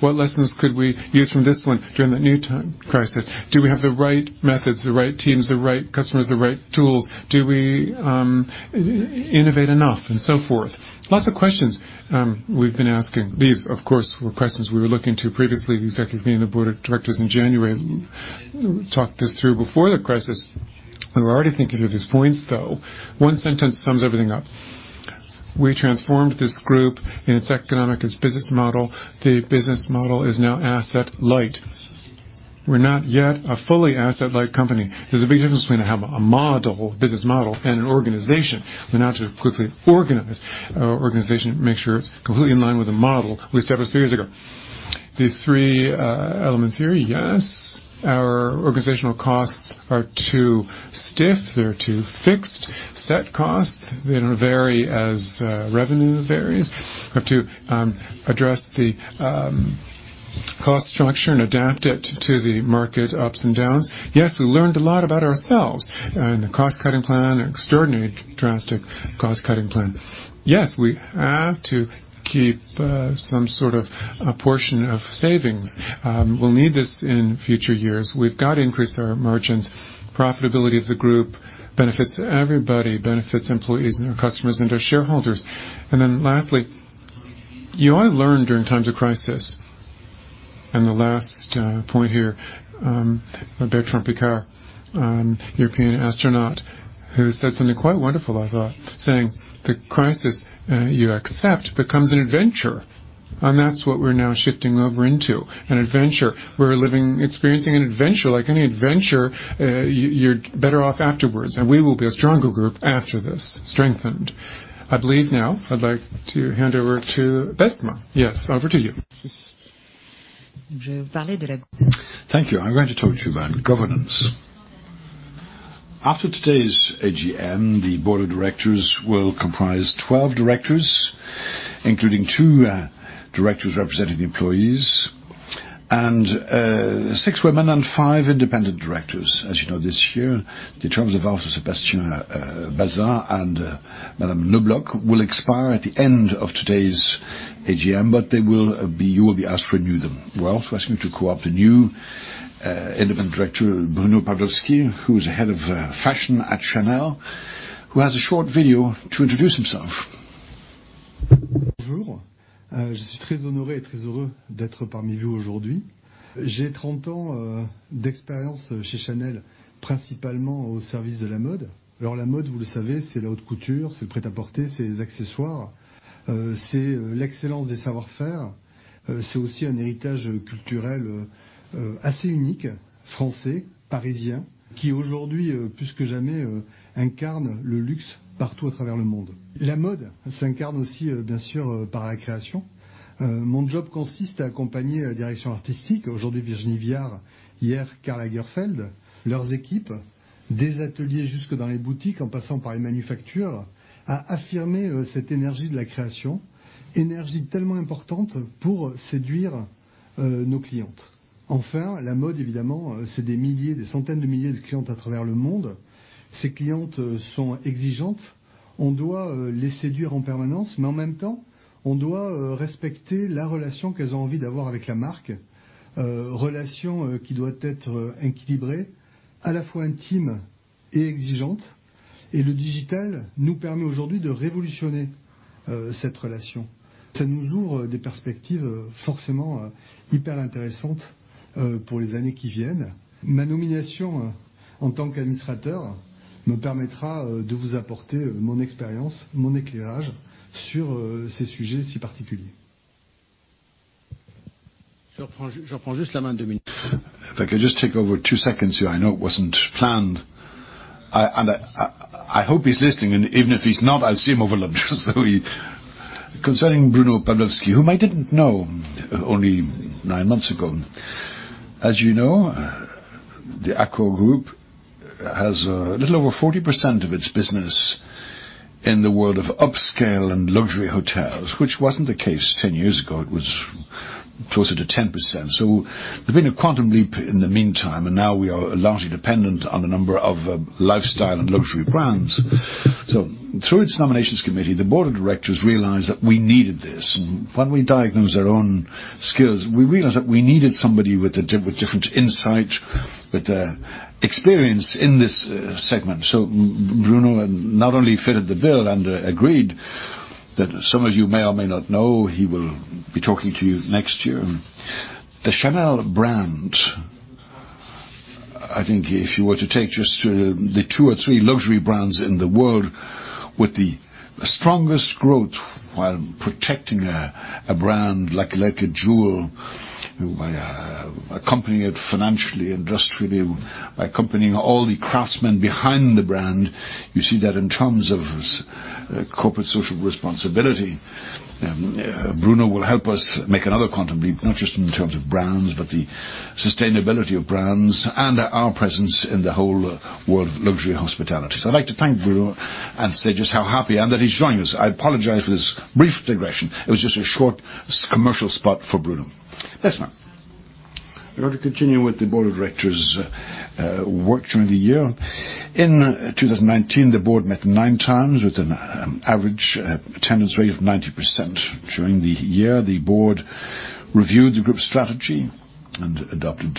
what lessons could we use from this one during the new crisis? Do we have the right methods, the right teams, the right customers, the right tools? Do we innovate enough?" and so forth. Lots of questions we've been asking. These, of course, were questions we were looking to previously. The executive committee and the board of directors in January talked this through before the crisis. We were already thinking through these points, though. One sentence sums everything up. We transformed this group in its economic and business model. The business model is now asset-light. We're not yet a fully asset-light company. There's a big difference between a business model and an organization. We now have to quickly organize our organization, make sure it's completely in line with the model we established three years ago. These three elements here, yes. Our organizational costs are too stiff. They're too fixed. Set costs. They don't vary as revenue varies. We have to address the cost structure and adapt it to the market ups and downs. Yes, we learned a lot about ourselves and the cost-cutting plan, an extraordinarily drastic cost-cutting plan. Yes, we have to keep some sort of portion of savings. We'll need this in future years. We've got to increase our margins. Profitability of the group benefits everybody, benefits employees and our customers and our shareholders, and then lastly, you always learn during times of crisis. And the last point here, Bertrand Piccard, European astronaut, who said something quite wonderful, I thought, saying, "The crisis you accept becomes an adventure." And that's what we're now shifting over into. An adventure. We're experiencing an adventure. Like any adventure, you're better off afterwards, and we will be a stronger group after this, strengthened. I believe now I'd like to hand over to Besma. Yes, over to you. Thank you. I'm going to talk to you about governance. After today's AGM, the board of directors will comprise 12 directors, including two directors representing the employees, and six women and five independent directors. As you know, this year, the terms of Sébastien Bazin and Madame Knobloch will expire at the end of today's AGM, but you will be asked to renew them. We're also asking you to co-opt the new independent director, Bruno Pavlovsky, who is the head of fashion at Chanel, who has a short video to introduce himself. Bonjour. Je suis très honoré et très heureux d'être parmi vous aujourd'hui. J'ai 30 ans d'expérience chez Chanel, principalement au service de la mode. Alors, la mode, vous le savez, c'est la haute couture, c'est le prêt-à-porter, c'est les accessoires. C'est l'excellence des savoir-faire. C'est aussi un héritage culturel assez unique, français, parisien, qui aujourd'hui, plus que jamais, incarne le luxe partout à travers le monde. La mode s'incarne aussi, bien sûr, par la création. Mon job consiste à accompagner la direction artistique, aujourd'hui Virginie Viard, hier Karl Lagerfeld, leurs équipes, des ateliers jusque dans les boutiques, en passant par les manufactures, à affirmer cette énergie de la création, énergie tellement importante pour séduire nos clientes. Enfin, la mode, évidemment, c'est des milliers, des centaines de milliers de clientes à travers le monde. Ces clientes sont exigeantes. On doit les séduire en permanence, mais en même temps, on doit respecter la relation qu'elles ont envie d'avoir avec la marque, relation qui doit être équilibrée, à la fois intime et exigeante. Et le digital nous permet aujourd'hui de révolutionner cette relation. Ça nous ouvre des perspectives forcément hyper intéressantes pour les années qui viennent. Ma nomination en tant qu'administrateur me permettra de vous apporter mon expérience, mon éclairage sur ces sujets si particuliers. J'en prends juste la main deux minutes. If I could just take over two seconds here. I know it wasn't planned, and I hope he's listening, and even if he's not, I'll see him over lunch. So concerning Bruno Pavlovsky, whom I didn't know only nine months ago, as you know, the Accor Group has a little over 40% of its business in the world of upscale and luxury hotels, which wasn't the case 10 years ago. It was closer to 10%. So there's been a quantum leap in the meantime, and now we are largely dependent on a number of lifestyle and luxury brands. So through its nominations committee, the board of directors realized that we needed this. And when we diagnosed our own skills, we realized that we needed somebody with different insight, with experience in this segment. So Bruno not only fitted the bill and agreed that some of you may or may not know, he will be talking to you next year. The Chanel brand, I think if you were to take just the two or three luxury brands in the world with the strongest growth while protecting a brand like a jewel, accompanying it financially, industrially, accompanying all the craftsmen behind the brand, you see that in terms of corporate social responsibility. Bruno will help us make another quantum leap, not just in terms of brands, but the sustainability of brands and our presence in the whole world of luxury hospitality. So I'd like to thank Bruno and say just how happy I am that he's joining us. I apologize for this brief digression. It was just a short commercial spot for Bruno. Besma. I want to continue with the board of directors' work during the year. In 2019, the board met nine times with an average attendance rate of 90%.During the year, the Board reviewed the group's strategy and adopted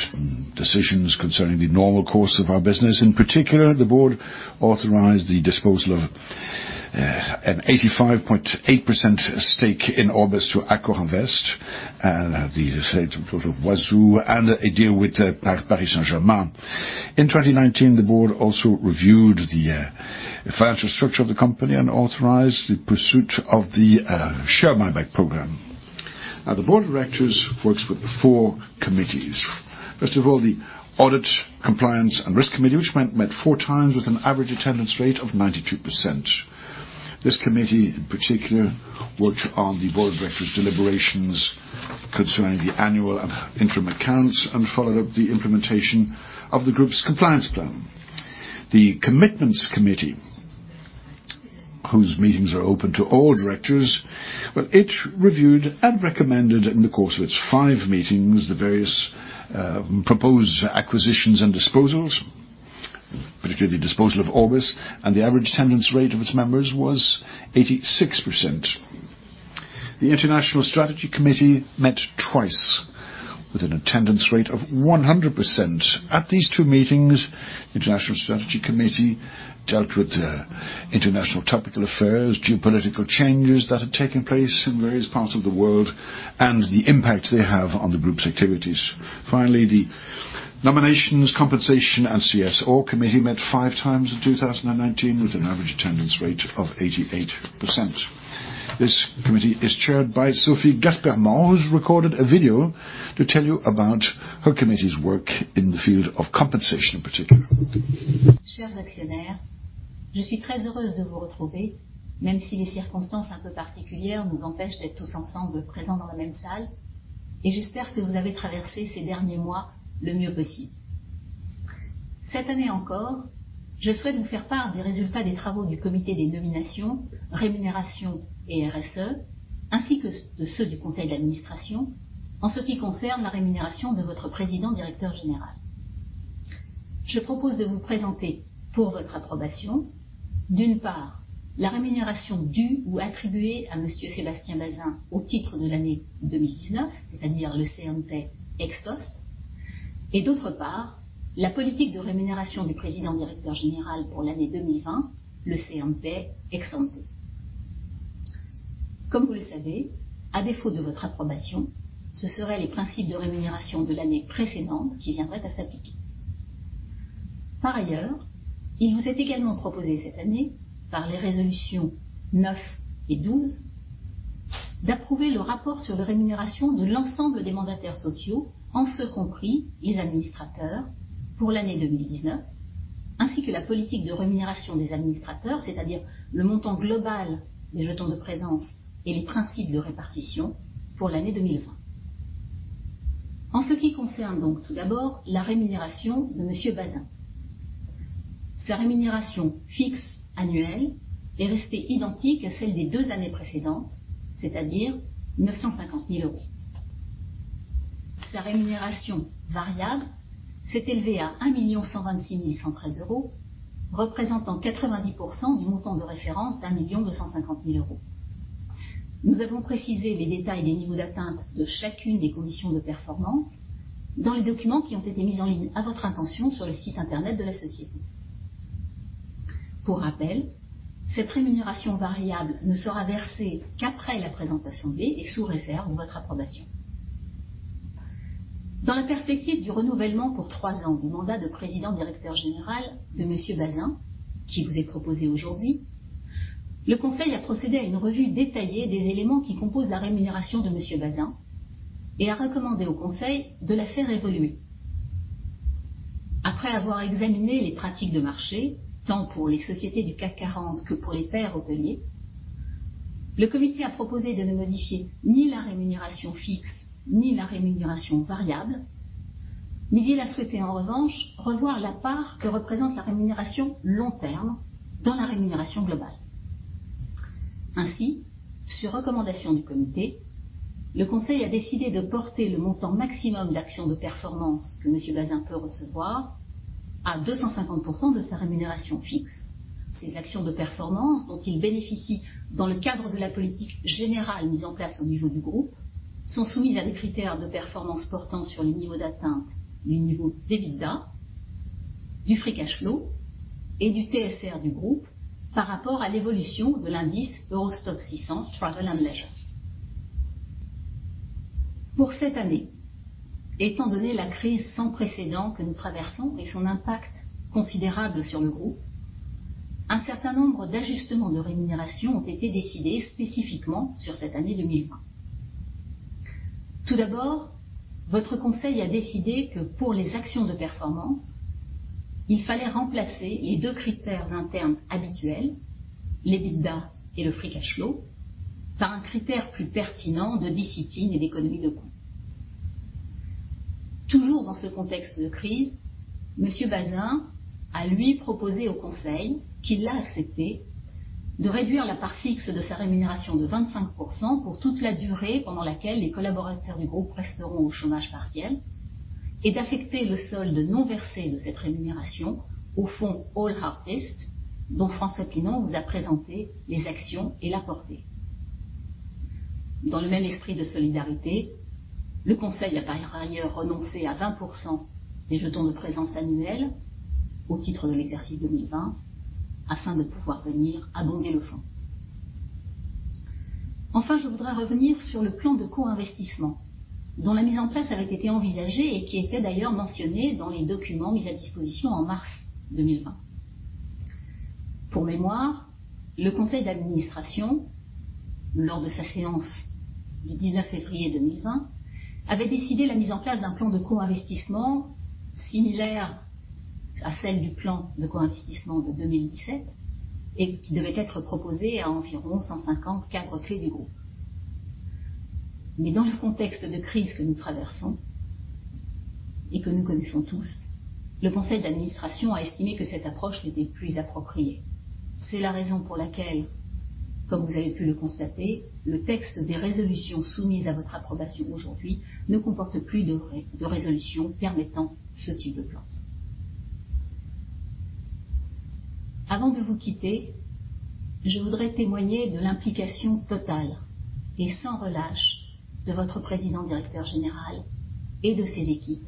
decisions concerning the normal course of our business. In particular, the Board authorized the disposal of an 85.8% stake in Orbis to AccorInvest, Huazhu, and a deal with Paris Saint-Germain. In 2019, the Board also reviewed the financial structure of the company and authorized the pursuit of the share buyback program. Now, the board of directors works with four committees. First of all, the Audit, Compliance, and Risk Committee, which met four times with an average attendance rate of 92%. This committee, in particular, worked on the board of directors' deliberations concerning the annual and interim accounts and followed up the implementation of the group's compliance plan. The Commitments Committee, whose meetings are open to all directors, reviewed and recommended in the course of its five meetings the various proposed acquisitions and disposals, particularly the disposal of Orbis, and the average attendance rate of its members was 86%. The International Strategy Committee met twice with an attendance rate of 100%. At these two meetings, the International Strategy Committee dealt with international topical affairs, geopolitical changes that had taken place in various parts of the world, and the impact they have on the group's activities. Finally, the Nominations, Compensation, and CSR Committee met five times in 2019 with an average attendance rate of 88%. This committee is chaired by Sophie Gasperment, who's recorded a video to tell you about her committee's work in the field of compensation in particular. Chers actionnaires, je suis très heureuse de vous retrouver, même si les circonstances un peu particulières nous empêchent d'être tous ensemble présents dans la même salle, et j'espère que vous avez traversé ces derniers mois le mieux possible. Cette année encore, je souhaite vous faire part des résultats des travaux du comité des nominations, rémunérations et RSE, ainsi que de ceux du conseil d'administration en ce qui concerne la rémunération de votre président directeur général. Je propose de vous présenter, pour votre approbation, d'une part, la rémunération due ou attribuée à Monsieur Sébastien Bazin au titre de l'année 2019, c'est-à-dire le Say on Pay ex post, et d'autre part, la politique de rémunération du président directeur général pour l'année 2020, le Say on Pay ex ante. Comme vous le savez, à défaut de votre approbation, ce seraient les principes de rémunération de l'année précédente qui viendraient à s'appliquer. Par ailleurs, il vous est également proposé cette année, par les résolutions 9 et 12, d'approuver le rapport sur les rémunérations de l'ensemble des mandataires sociaux, en ce compris les administrateurs, pour l'année 2019, ainsi que la politique de rémunération des administrateurs, c'est-à-dire le montant global des jetons de présence et les principes de répartition pour l'année 2020. En ce qui concerne donc, tout d'abord, la rémunération de Monsieur Bazin. Sa rémunération fixe annuelle est restée identique à celle des deux années précédentes, c'est-à-dire 950 000. Sa rémunération variable s'est élevée à 1 126 113, représentant 90% du montant de référence d' 1 250 000. Nous avons précisé les détails des niveaux d'atteinte de chacune des conditions de performance dans les documents qui ont été mis en ligne à votre intention sur le site internet de la société. Pour rappel, cette rémunération variable ne sera versée qu'après la l'Assemblée et sous réserve de votre approbation. Dans la perspective du renouvellement pour trois ans du mandat de président directeur général de Monsieur Bazin, qui vous est proposé aujourd'hui, le conseil a procédé à une revue détaillée des éléments qui composent la rémunération de Monsieur Bazin et a recommandé au conseil de la faire évoluer. Après avoir examiné les pratiques de marché, tant pour les sociétés du CAC 40 que pour les pairs hôteliers, le comité a proposé de ne modifier ni la rémunération fixe ni la rémunération variable, mais il a souhaité en revanche revoir la part que représente la rémunération long terme dans la rémunération globale. Ainsi, sur recommandation du comité, le conseil a décidé de porter le montant maximum d'actions de performance que Monsieur Bazin peut recevoir à 250% de sa rémunération fixe. Ces actions de performance dont il bénéficie dans le cadre de la politique générale mise en place au niveau du groupe sont soumises à des critères de performance portant sur les niveaux d'atteinte du niveau d'EBITDA, du free cash flow et du TSR du groupe par rapport à l'évolution de l'indice STOXX Europe 600 Travel & Leisure. Pour cette année, étant donné la crise sans précédent que nous traversons et son impact considérable sur le groupe, un certain nombre d'ajustements de rémunération ont été décidés spécifiquement sur cette année 2020. Tout d'abord, votre conseil a décidé que pour les actions de performance, il fallait remplacer les deux critères internes habituels, l'EBITDA et le free cash flow, par un critère plus pertinent de discipline et d'économie de coût. Toujours dans ce contexte de crise, Monsieur Bazin a, lui, proposé au conseil, qu'il a accepté, de réduire la part fixe de sa rémunération de 25% pour toute la durée pendant laquelle les collaborateurs du groupe resteront au chômage partiel et d'affecter le solde non versé de cette rémunération au fonds ALL Heartist, dont François Pinon vous a présenté les actions et l'apport. Dans le même esprit de solidarité, le conseil a par ailleurs renoncé à 20% des jetons de présence annuels au titre de l'exercice 2020 afin de pouvoir venir abonder le fonds. Enfin, je voudrais revenir sur le plan de co-investissement dont la mise en place avait été envisagée et qui était d'ailleurs mentionnée dans les documents mis à disposition en mars 2020. Pour mémoire, le conseil d'administration, lors de sa séance du 19 février 2020, avait décidé la mise en place d'un plan de co-investissement similaire à celle du plan de co-investissement de 2017 et qui devait être proposé à environ 150 cadres clés du groupe. Mais dans le contexte de crise que nous traversons et que nous connaissons tous, le conseil d'administration a estimé que cette approche n'était plus appropriée. C'est la raison pour laquelle, comme vous avez pu le constater, le texte des résolutions soumises à votre approbation aujourd'hui ne comporte plus de résolutions permettant ce type de plan. Avant de vous quitter, je voudrais témoigner de l'implication totale et sans relâche de votre président directeur général et de ses équipes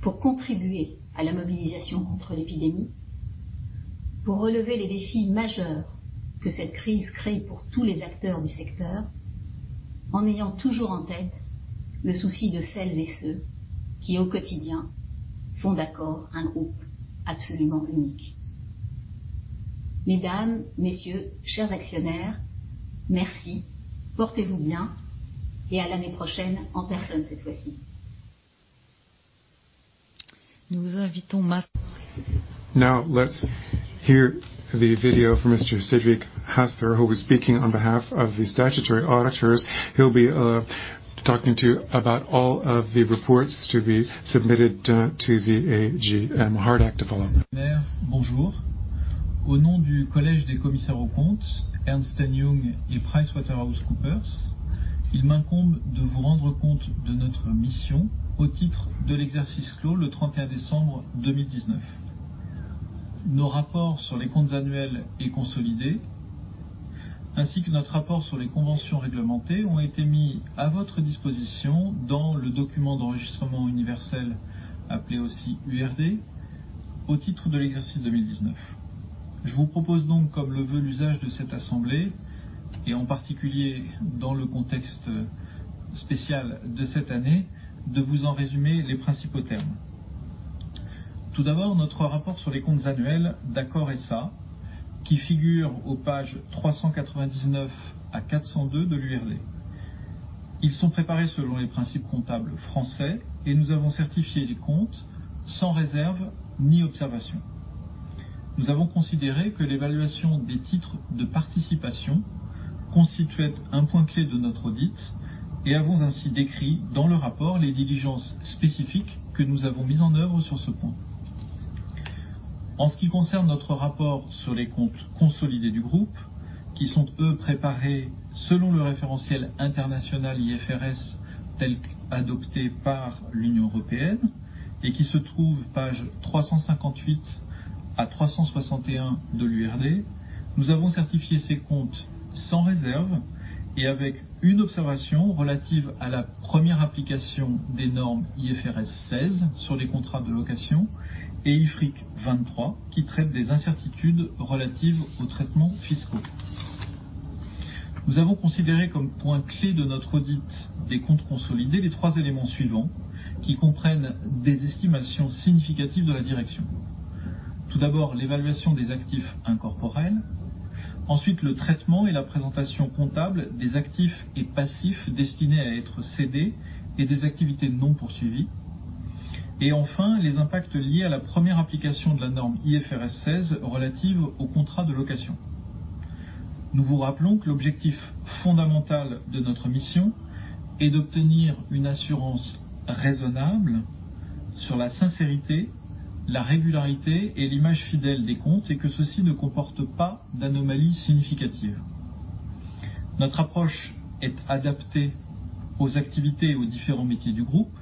pour contribuer à la mobilisation contre l'épidémie, pour relever les défis majeurs que cette crise crée pour tous les acteurs du secteur, en ayant toujours en tête le souci de celles et ceux qui, au quotidien, font d'Accor un groupe absolument unique. Mesdames, Messieurs, chers actionnaires, merci, portez-vous bien et à l'année prochaine en personne cette fois-ci. Nous vous invitons maintenant à écouter. Now, let's hear the video from Mr. Cédric Hassler, who was speaking on behalf of the statutory auditors. He'll be talking to you about all of the reports to be submitted to the AGM Ordinary and Extraordinary General Meeting. Bonjour. Au nom du collège des commissaires aux comptes, Ernst & Young et PricewaterhouseCoopers, il m'incombe de vous rendre compte de notre mission au titre de l'exercice clos le 31 décembre 2019. Nos rapports sur les comptes annuels et consolidés, ainsi que notre rapport sur les conventions réglementées, ont été mis à votre disposition dans le document d'enregistrement universel, appelé aussi URD, au titre de l'exercice 2019. Je vous propose donc, comme le veut l'usage de cette assemblée et en particulier dans le contexte spécial de cette année, de vous en résumer les principaux termes. Tout d'abord, notre rapport sur les comptes annuels d'Accor SA, qui figure aux pages 399 à 402 de l'URD. Ils sont préparés selon les principes comptables français et nous avons certifié les comptes sans réserve ni observation. Nous avons considéré que l'évaluation des titres de participation constituait un point clé de notre audit et avons ainsi décrit dans le rapport les diligences spécifiques que nous avons mises en œuvre sur ce point. En ce qui concerne notre rapport sur les comptes consolidés du groupe, qui sont eux préparés selon le référentiel international IFRS tel qu'adopté par l'Union européenne et qui se trouve aux pages 358 à 361 de l'URD, nous avons certifié ces comptes sans réserve et avec une observation relative à la première application des normes IFRS 16 sur les contrats de location et IFRIC 23, qui traite des incertitudes relatives aux traitements fiscaux. Nous avons considéré comme point clé de notre audit des comptes consolidés les trois éléments suivants, qui comprennent des estimations significatives de la direction. Tout d'abord, l'évaluation des actifs incorporels. Ensuite, le traitement et la présentation comptable des actifs et passifs destinés à être cédés et des activités non poursuivies. Et enfin, les impacts liés à la première application de la norme IFRS 16 relative aux contrats de location. Nous vous rappelons que l'objectif fondamental de notre mission est d'obtenir une assurance raisonnable sur la sincérité, la régularité et l'image fidèle des comptes et que ceux-ci ne comportent pas d'anomalies significatives. Notre approche est adaptée aux activités et aux différents métiers du groupe,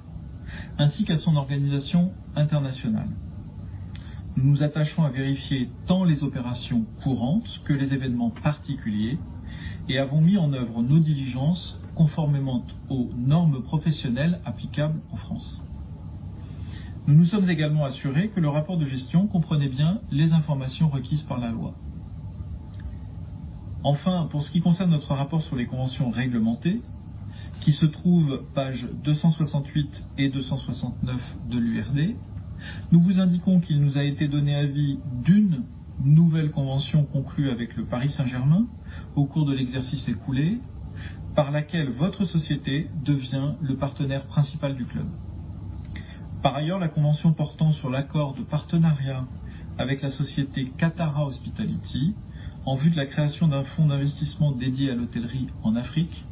ainsi qu'à son organisation internationale. Nous nous attachons à vérifier tant les opérations courantes que les événements particuliers et avons mis en œuvre nos diligences conformément aux normes professionnelles applicables en France. Nous nous sommes également assurés que le rapport de gestion comprenait bien les informations requises par la loi. Enfin, pour ce qui concerne notre rapport sur les conventions réglementées, qui se trouve aux pages 268 et 269 de l'URD, nous vous indiquons qu'il nous a été donné avis d'une nouvelle convention conclue avec le Paris Saint-Germain au cours de l'exercice écoulé, par laquelle votre société devient le partenaire principal du club. Par ailleurs, la convention portant sur l'accord de partenariat avec la société Katara Hospitality en vue de la création d'un fonds d'investissement dédié à l'hôtellerie en Afrique,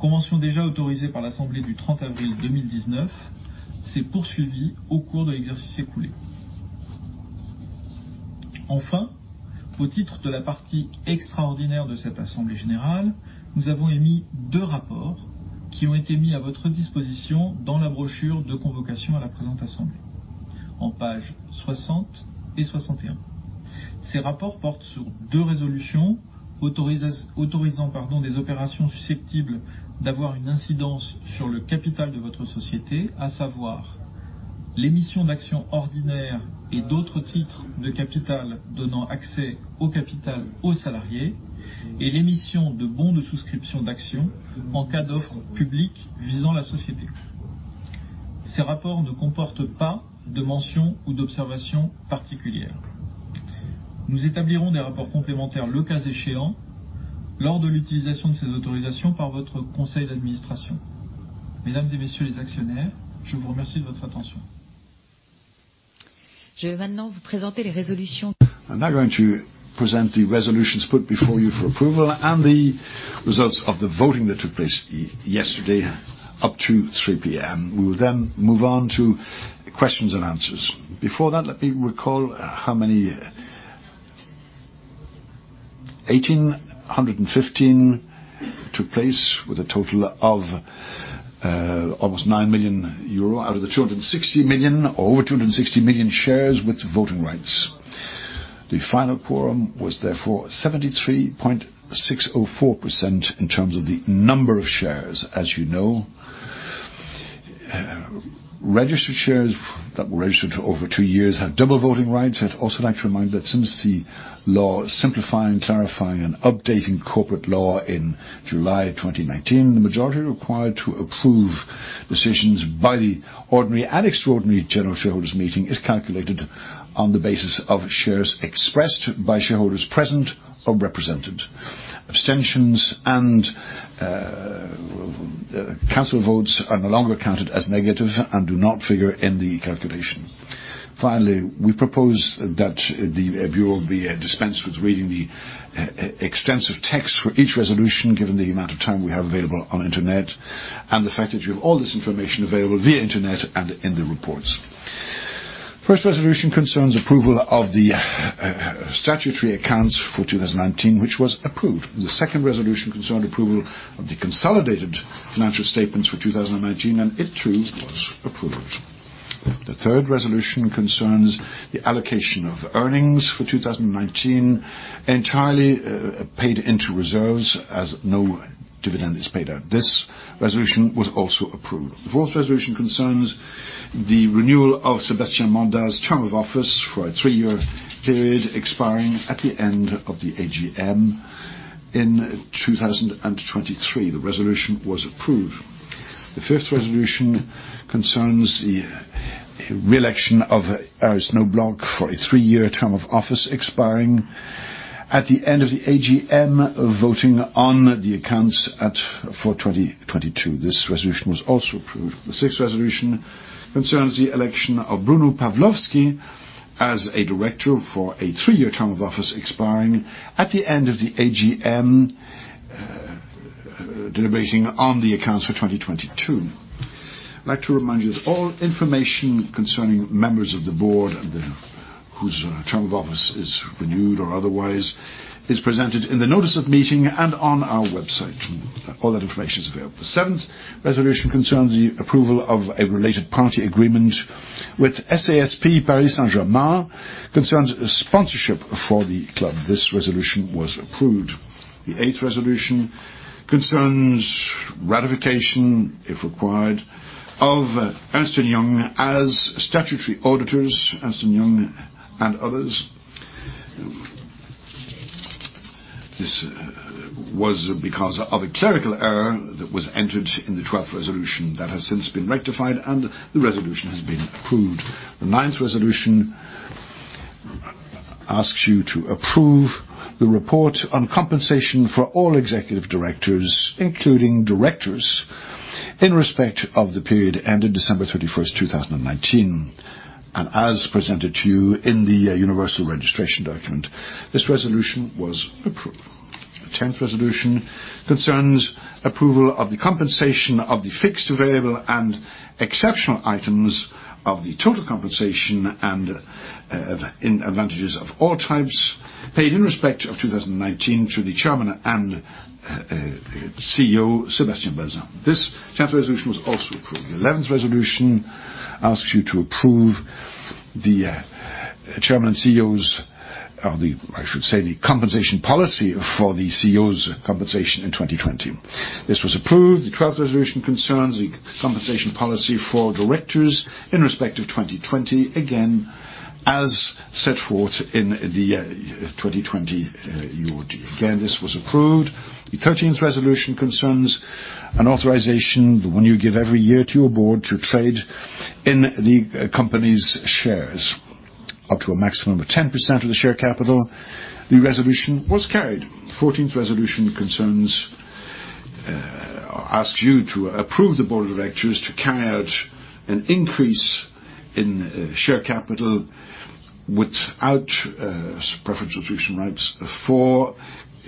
convention déjà autorisée par l'assemblée du 30 avril 2019, s'est poursuivie au cours de l'exercice écoulé. Enfin, au titre de la partie extraordinaire de cette assemblée générale, nous avons émis deux rapports qui ont été mis à votre disposition dans la brochure de convocation à la présente assemblée, en pages 60 et 61. Ces rapports portent sur deux résolutions autorisant des opérations susceptibles d'avoir une incidence sur le capital de votre société, à savoir l'émission d'actions ordinaires et d'autres titres de capital donnant accès au capital aux salariés, et l'émission de bons de souscription d'actions en cas d'offre publique visant la société. Ces rapports ne comportent pas de mentions ou d'observations particulières. Nous établirons des rapports complémentaires le cas échéant lors de l'utilisation de ces autorisations par votre conseil d'administration. Mesdames et Messieurs les actionnaires, je vous remercie de votre attention. Je vais maintenant vous présenter les résolutions. I'm now going to present the resolutions put before you for approval and the results of the voting that took place yesterday up to 3:00 P.M. We will then move on to questions and answers. Before that, let me recall how many. 1,815 took place with a total of almost 9 million out of the 260 million or over 260 million shares with voting rights. The final quorum was therefore 73.604% in terms of the number of shares, as you know. Registered shares that were registered for over two years have double voting rights. I'd also like to remind that since the law simplifying, clarifying, and updating corporate law in July 2019, the majority required to approve decisions by the ordinary and extraordinary general shareholders' meeting is calculated on the basis of shares expressed by shareholders present or represented. Abstentions and blank votes are no longer counted as negative and do not figure in the calculation. Finally, we propose that the Bureau be dispensed with reading the extensive text for each resolution given the amount of time we have available on the internet and the fact that you have all this information available via the internet and in the reports. First resolution concerns approval of the statutory accounts for 2019, which was approved. The second resolution concerned approval of the consolidated financial statements for 2019, and it too was approved. The third resolution concerns the allocation of earnings for 2019 entirely paid into reserves as no dividend is paid out. This resolution was also approved. The fourth resolution concerns the renewal of Sébastien Bazin term of office for a three-year period expiring at the end of the AGM in 2023. The resolution was approved. The fifth resolution concerns the re-election of Iris Knobloch for a three-year term of office expiring at the end of the AGM voting on the accounts for 2022. This resolution was also approved. The sixth resolution concerns the election of Bruno Pavlovsky as a director for a three-year term of office expiring at the end of the AGM deliberating on the accounts for 2022. I'd like to remind you that all information concerning members of the board whose term of office is renewed or otherwise is presented in the notice of meeting and on our website. All that information is available. The seventh resolution concerns the approval of a related party agreement with SASP Paris Saint-Germain concerns sponsorship for the club. This resolution was approved. The eighth resolution concerns ratification, if required, of Ernst & Young as statutory auditors, Ernst & Young and others. This was because of a clerical error that was entered in the 12th resolution that has since been rectified, and the resolution has been approved. The ninth resolution asks you to approve the report on compensation for all executive directors, including directors, in respect of the period ended December 31st, 2019, and as presented to you in the Universal Registration Document. This resolution was approved. The tenth resolution concerns approval of the compensation of the fixed variable and exceptional items of the total compensation and advantages of all types paid in respect of 2019 to the Chairman and CEO, Sébastien Bazin. This tenth resolution was also approved. The eleventh resolution asks you to approve the Chairman and CEO's, or I should say, the compensation policy for the CEO's compensation in 2020. This was approved. The twelfth resolution concerns the compensation policy for directors in respect of 2020, again as set forth in the 2020 URD. Again, this was approved. The thirteenth resolution concerns an authorization, the one you give every year to your board to trade in the company's shares up to a maximum of 10% of the share capital. The resolution was carried. The fourteenth resolution concerns or asks you to approve the board of directors to carry out an increase in share capital without preferential subscription rights for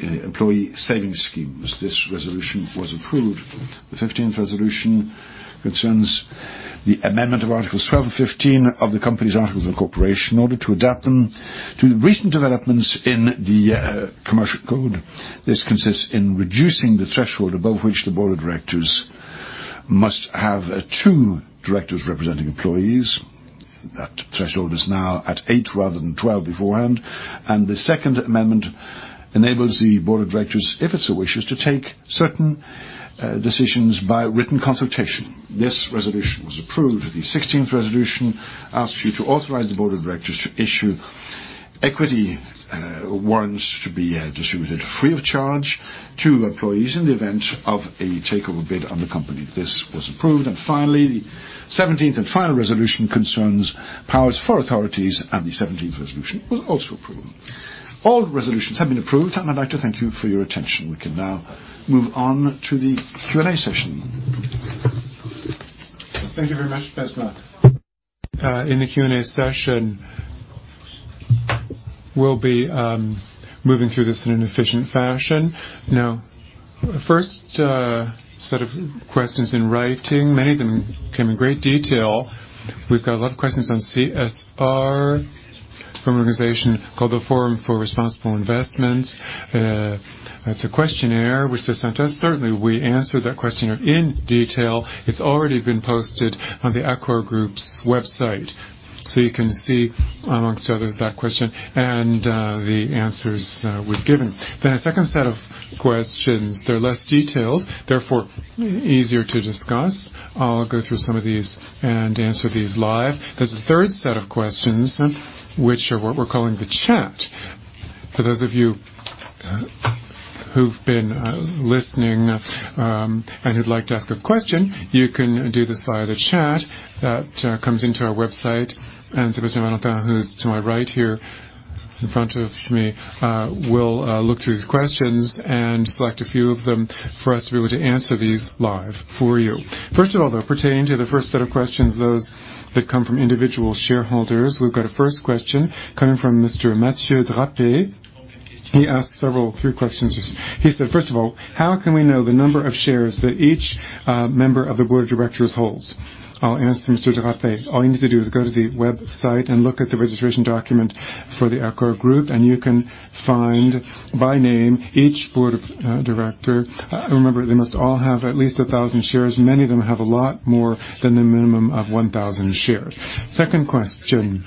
employee savings schemes. This resolution was approved. The fifteenth resolution concerns the amendment of articles 12 and 15 of the company's articles of incorporation in order to adapt them to the recent developments in the commercial code. This consists in reducing the threshold above which the board of directors must have two directors representing employees. That threshold is now at eight rather than 12 beforehand, and the second amendment enables the board of directors, if it so wishes, to take certain decisions by written consultation. This resolution was approved. The sixteenth resolution asks you to authorize the board of directors to issue equity warrants to be distributed free of charge to employees in the event of a takeover bid on the company. This was approved. And finally, the seventeenth and final resolution concerns powers for authorities, and the 17th resolution was also approved. All resolutions have been approved, and I'd like to thank you for your attention. We can now move on to the Q&A session. Thank you very much, Ms. Boumaza. In the Q&A session, we'll be moving through this in an efficient fashion. Now, first set of questions in writing. Many of them came in great detail. We've got a lot of questions on CSR from an organization called the Forum for Responsible Investment. It's a questionnaire which they sent us. Certainly, we answered that questionnaire in detail. It's already been posted on the Accor Group's website, so you can see, among others, that question and the answers we've given. Then a second set of questions. They're less detailed, therefore easier to discuss. I'll go through some of these and answer these live. There's a third set of questions which are what we're calling the chat. For those of you who've been listening and who'd like to ask a question, you can do this via the chat that comes into our website, and Sébastien Valentin, who's to my right here in front of me, will look through these questions and select a few of them for us to be able to answer these live for you. First of all, though, pertaining to the first set of questions, those that come from individual shareholders, we've got a first question coming from Mr. Mathieu Drapey. He asks three questions. He said, "First of all, how can we know the number of shares that each member of the board of directors holds?" I'll answer Mr. Drapey. All you need to do is go to the website and look at the registration document for the Accor Group, and you can find by name each board of director. Remember, they must all have at least 1,000 shares. Many of them have a lot more than the minimum of 1,000 shares. Second question.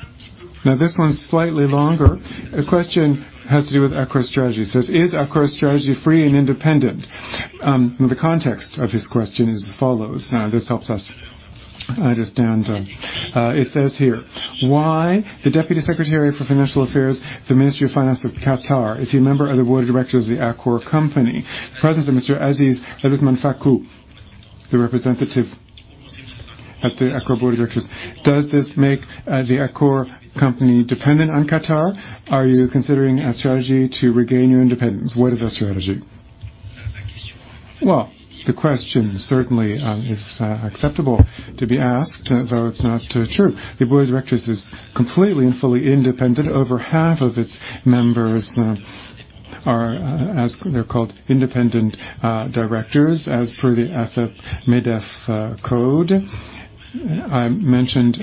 Now, this one's slightly longer. The question has to do with Accor's strategy. It says, "Is Accor's strategy free and independent?" The context of his question is as follows. This helps us understand. It says here, "Why, the deputy secretary for financial affairs for the Ministry of Finance of Qatar, is he a member of the board of directors of the Accor company? Presence of Mr. Aziz Aluthman Fakhroo, the representative at the Accor board of directors. Does this make the Accor company dependent on Qatar? Are you considering a strategy to regain your independence? What is that strategy?" Well, the question certainly is acceptable to be asked, though it's not true. The board of directors is completely and fully independent. Over half of its members are as they're called independent directors as per the AFEP-MEDEF code. I mentioned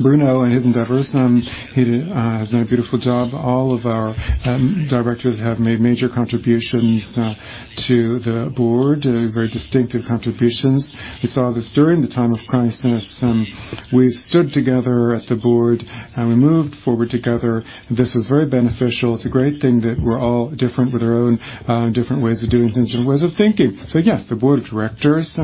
Bruno and his endeavors. He has done a beautiful job. All of our directors have made major contributions to the board, very distinctive contributions. We saw this during the time of crisis. We stood together at the board, and we moved forward together. This was very beneficial. It's a great thing that we're all different with our own different ways of doing things and ways of thinking. So yes, the board of directors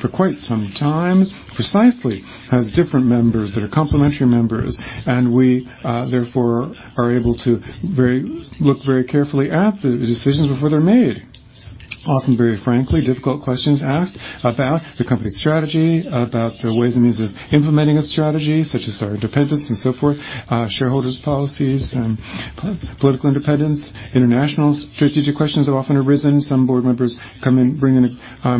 for quite some time precisely has different members that are complementary members, and we therefore are able to look very carefully at the decisions before they're made. Often, very frankly, difficult questions asked about the company's strategy, about the ways and means of implementing its strategy, such as our independence and so forth, shareholders' policies, political independence, international strategic questions have often arisen. Some board members come in bringing a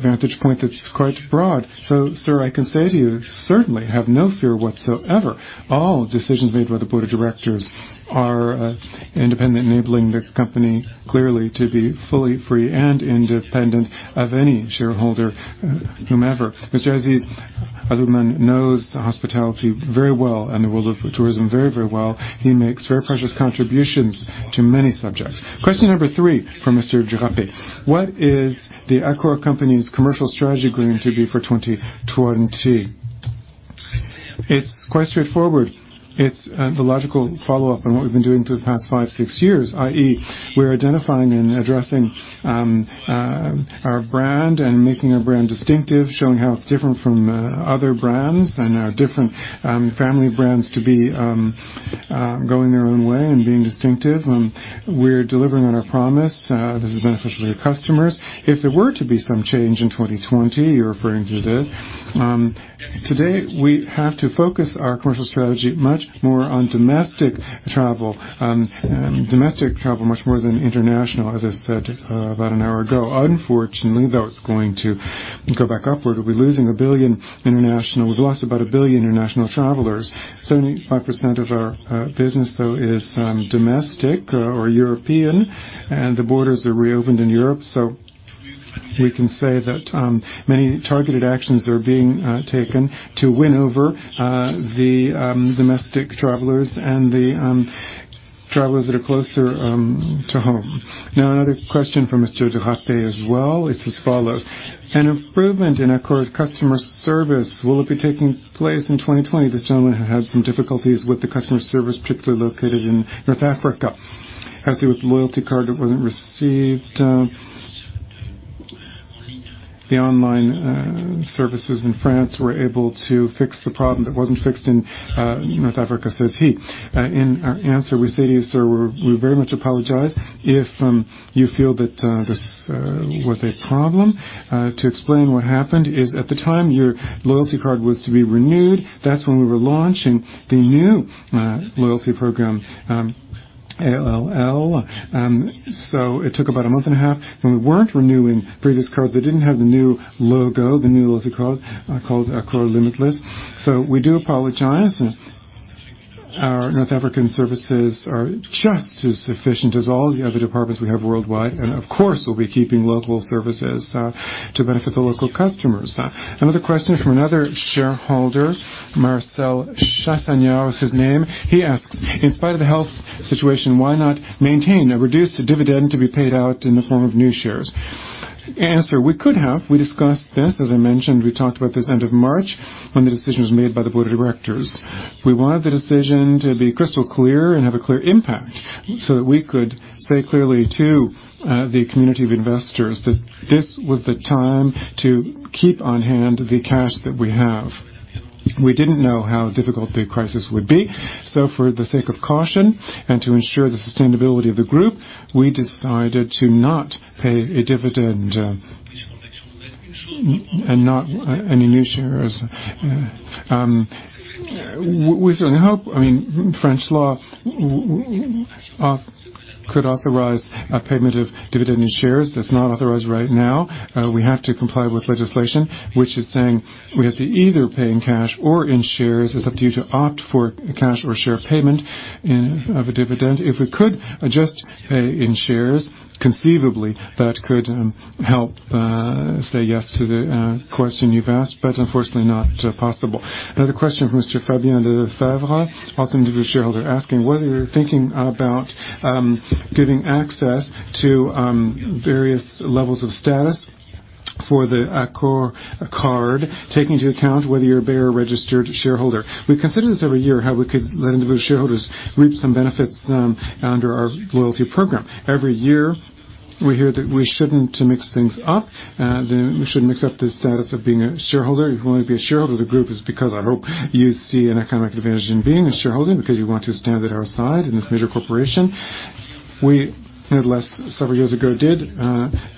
vantage point that's quite broad. So, sir, I can say to you, certainly have no fear whatsoever. All decisions made by the board of directors are independent, enabling the company clearly to be fully free and independent of any shareholder, whomever. Mr. Aziz Aluthman knows hospitality very well and the world of tourism very, very well. He makes very precious contributions to many subjects. Question number three for Mr. Drapey: What is the Accor company's commercial strategy going to be for 2020? It's quite straightforward. It's the logical follow-up on what we've been doing for the past five, six years, i.e., we're identifying and addressing our brand and making our brand distinctive, showing how it's different from other brands and our different family brands to be going their own way and being distinctive. We're delivering on our promise. This is beneficial to our customers. If there were to be some change in 2020, you're referring to this. Today, we have to focus our commercial strategy much more on domestic travel, domestic travel much more than international, as I said about an hour ago. Unfortunately, though, it's going to go back upward. We're losing a billion international. We've lost about a billion international travelers. 75% of our business, though, is domestic or European, and the borders are reopened in Europe. So we can say that many targeted actions are being taken to win over the domestic travelers and the travelers that are closer to home. Now, another question for Mr. Drapey as well. It says follows. An improvement in Accor's customer service, will it be taking place in 2020? This gentleman had some difficulties with the customer service, particularly located in North Africa. As he with the loyalty card, it wasn't received. The online services in France were able to fix the problem that wasn't fixed in North Africa, says he. In our answer, we say to you, sir, we very much apologize if you feel that this was a problem. To explain what happened is, at the time, your loyalty card was to be renewed. That's when we were launching the new loyalty program, ALL. So it took about a month and a half. When we weren't renewing previous cards, they didn't have the new logo, the new loyalty card called Accor Limitless. So we do apologize. Our North African services are just as efficient as all the other departments we have worldwide, and of course, we'll be keeping local services to benefit the local customers. Another question from another shareholder, Marcel Chassagnier is his name. He asks, "In spite of the health situation, why not maintain a reduced dividend to be paid out in the form of new shares?" Answer: We could have. We discussed this, as I mentioned. We talked about this end of March when the decision was made by the board of directors. We wanted the decision to be crystal clear and have a clear impact so that we could say clearly to the community of investors that this was the time to keep on hand the cash that we have. We didn't know how difficult the crisis would be. So for the sake of caution and to ensure the sustainability of the group, we decided to not pay a dividend and not any new shares. We certainly hope, I mean, French law could authorize a payment of dividend in shares. That's not authorized right now. We have to comply with legislation, which is saying we have to either pay in cash or in shares. It's up to you to opt for cash or share payment of a dividend. If we could just pay in shares, conceivably that could help say yes to the question you've asked, but unfortunately not possible. Another question from Mr. Fabien de Favre, also an individual shareholder, asking whether you're thinking about giving access to various levels of status for the Accor card, taking into account whether you're a bearer-registered shareholder. We consider this every year, how we could let individual shareholders reap some benefits under our loyalty program. Every year, we hear that we shouldn't mix things up. We shouldn't mix up the status of being a shareholder. If you want to be a shareholder of the group, it's because I hope you see an economic advantage in being a shareholder because you want to stand at our side in this major corporation. We, unless several years ago, did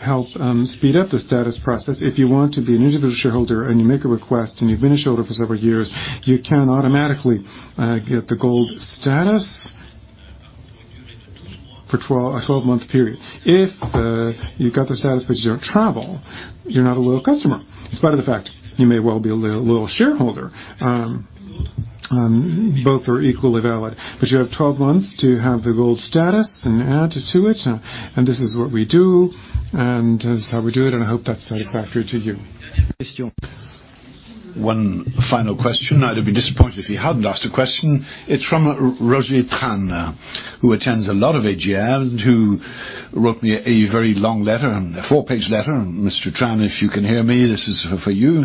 help speed up the status process. If you want to be an individual shareholder and you make a request and you've been a shareholder for several years, you can automatically get the gold status for a twelve-month period. If you've got the status but you don't travel, you're not a loyal customer. In spite of the fact, you may well be a loyal shareholder. Both are equally valid, but you have twelve months to have the gold status and add to it. And this is what we do, and this is how we do it, and I hope that's satisfactory to you. One final question. I'd have been disappointed if you hadn't asked a question. It's from Roger Tran, who attends a lot of AGM, who wrote me a very long letter, a four-page letter. Mr. Tran, if you can hear me, this is for you.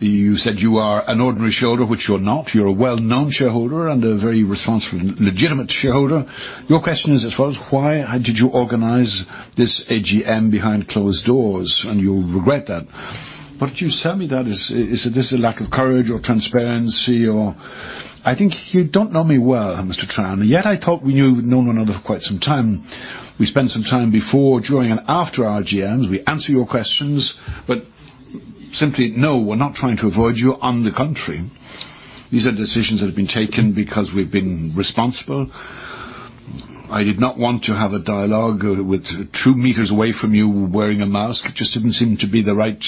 You said you are an ordinary shareholder, which you're not. You're a well-known shareholder and a very responsible, legitimate shareholder. Your question is as follows. Why did you organize this AGM behind closed doors? And you'll regret that. What did you tell me? Is this a lack of courage or transparency? I think you don't know me well, Mr. Tran. Yet I thought we knew one another for quite some time. We spent some time before, during, and after our AGMs. We answer your questions, but simply no, we're not trying to avoid you on the contrary. These are decisions that have been taken because we've been responsible. I did not want to have a dialogue with two meters away from you wearing a mask. It just didn't seem to be the right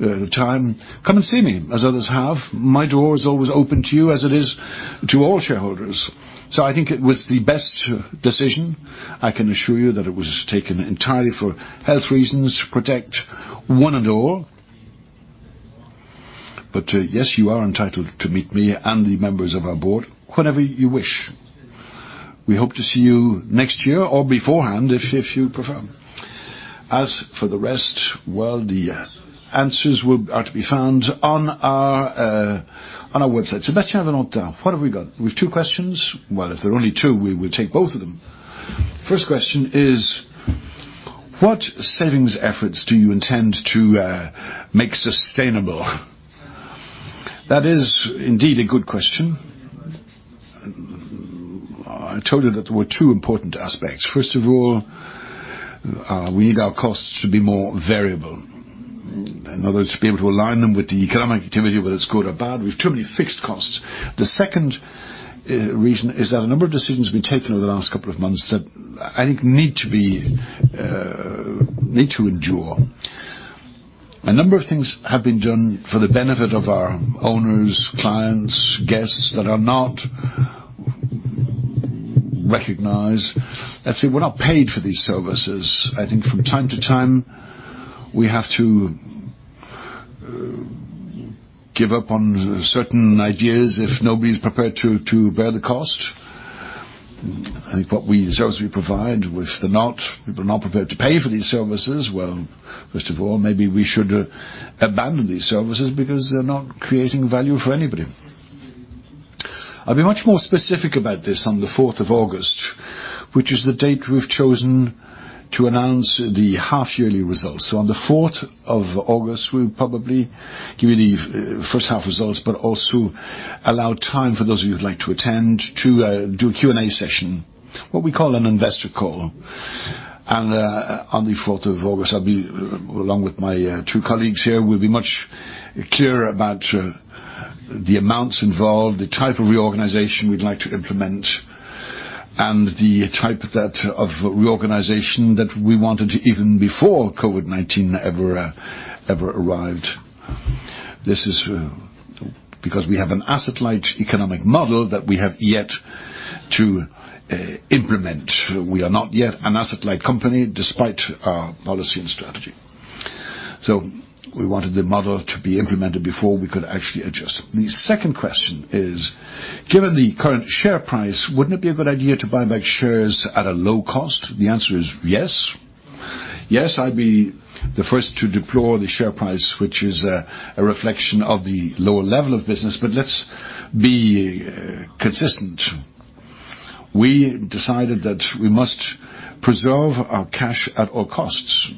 time. Come and see me as others have. My door is always open to you as it is to all shareholders. So I think it was the best decision. I can assure you that it was taken entirely for health reasons, to protect one and all. But yes, you are entitled to meet me and the members of our board whenever you wish. We hope to see you next year or beforehand if you prefer. As for the rest, well, the answers are to be found on our website. Sébastien Valentin, what have we got? We have two questions. Well, if there are only two, we will take both of them. First question is, what savings efforts do you intend to make sustainable? That is indeed a good question. I told you that there were two important aspects. First of all, we need our costs to be more variable. In other words, to be able to align them with the economic activity, whether it's good or bad. We have too many fixed costs. The second reason is that a number of decisions have been taken over the last couple of months that I think need to endure. A number of things have been done for the benefit of our owners, clients, guests that are not recognized. Let's say we're not paid for these services. I think from time to time, we have to give up on certain ideas if nobody's prepared to bear the cost. I think what services we provide, if they're not prepared to pay for these services, well, first of all, maybe we should abandon these services because they're not creating value for anybody. I'll be much more specific about this on the 4th of August, which is the date we've chosen to announce the half-yearly results. So on the 4th of August, we'll probably give you the first half results, but also allow time for those of you who'd like to attend to do a Q&A session, what we call an investor call. And on the 4th of August, along with my two colleagues here, we'll be much clearer about the amounts involved, the type of reorganization we'd like to implement, and the type of reorganization that we wanted even before COVID-19 ever arrived. This is because we have an asset-light economic model that we have yet to implement. We are not yet an asset-light company, despite our policy and strategy. So we wanted the model to be implemented before we could actually adjust. The second question is, given the current share price, wouldn't it be a good idea to buy back shares at a low cost? The answer is yes. Yes, I'd be the first to deplore the share price, which is a reflection of the lower level of business, but let's be consistent. We decided that we must preserve our cash at all costs.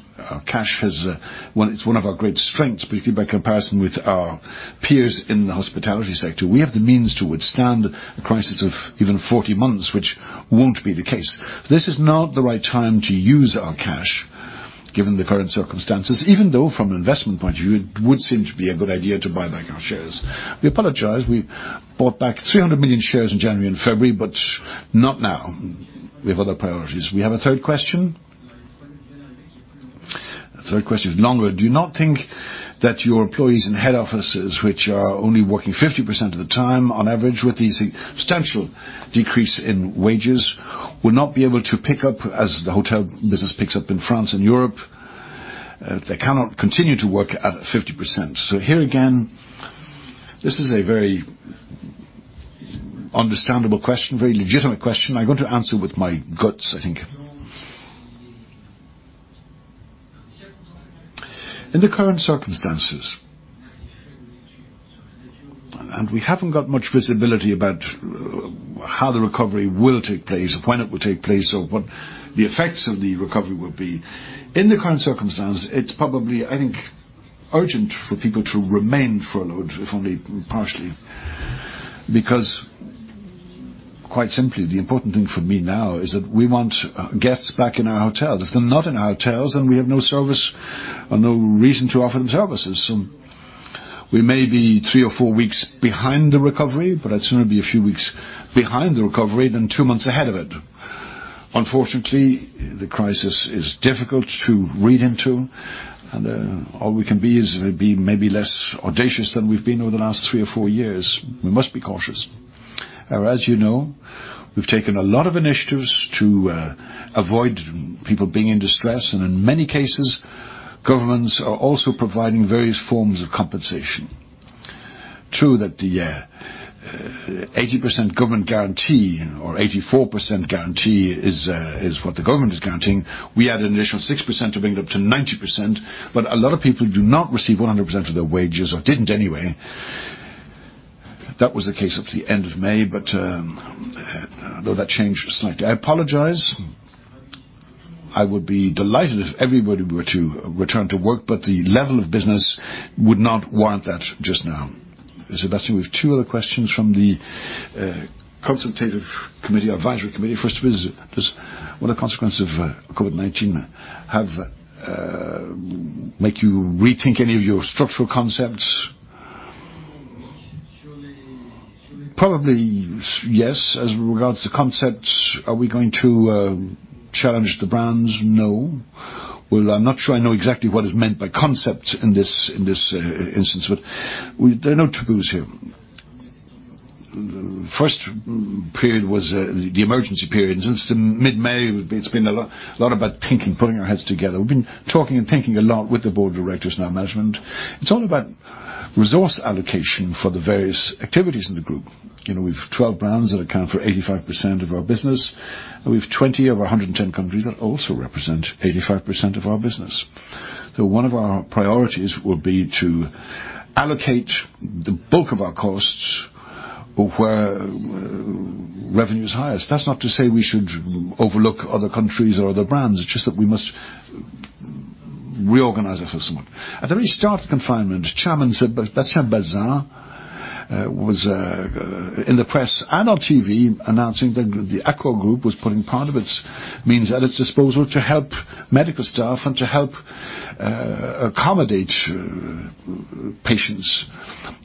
Cash is one of our great strengths, particularly by comparison with our peers in the hospitality sector. We have the means to withstand a crisis of even 40 months, which won't be the case. This is not the right time to use our cash, given the current circumstances, even though from an investment point of view, it would seem to be a good idea to buy back our shares. We apologize. We bought back 300 million shares in January and February, but not now. We have other priorities. We have a third question. The third question is longer. Do you not think that your employees in head offices, which are only working 50% of the time on average with these substantial decreases in wages, will not be able to pick up as the hotel business picks up in France and Europe? They cannot continue to work at 50%. So here again, this is a very understandable question, very legitimate question. I'm going to answer with my guts, I think. In the current circumstances, and we haven't got much visibility about how the recovery will take place, when it will take place, or what the effects of the recovery will be. In the current circumstances, it's probably, I think, urgent for people to remain furloughed, if only partially, because quite simply, the important thing for me now is that we want guests back in our hotels. If they're not in our hotels, then we have no service or no reason to offer them services. So we may be three or four weeks behind the recovery, but I'd sooner be a few weeks behind the recovery than two months ahead of it. Unfortunately, the crisis is difficult to read into, and all we can be is maybe less audacious than we've been over the last three or four years. We must be cautious. As you know, we've taken a lot of initiatives to avoid people being in distress, and in many cases, governments are also providing various forms of compensation. True that the 80% government guarantee or 84% guarantee is what the government is guaranteeing. We add an additional 6% to bring it up to 90%, but a lot of people do not receive 100% of their wages or didn't anyway. That was the case up to the end of May, but though that changed slightly, I apologize. I would be delighted if everybody were to return to work, but the level of business would not warrant that just now. Sébastien, we have two other questions from the consultative committee, advisory committee. First of all, what are the consequences of COVID-19? Have they made you rethink any of your structural concepts? Probably yes. As regards to concepts, are we going to challenge the brands? No. Well, I'm not sure I know exactly what is meant by concept in this instance, but there are no taboos here. The first period was the emergency period. Since mid-May, it's been a lot about thinking, putting our heads together. We've been talking and thinking a lot with the board of directors and our management. It's all about resource allocation for the various activities in the group. We have 12 brands that account for 85% of our business, and we have 20 of our 110 countries that also represent 85% of our business. So one of our priorities will be to allocate the bulk of our costs where revenue is highest. That's not to say we should overlook other countries or other brands. It's just that we must reorganize ourselves somewhat. At the very start of confinement, Chairman Sébastien Bazin was in the press and on TV announcing that the Accor Group was putting part of its means at its disposal to help medical staff and to help accommodate patients.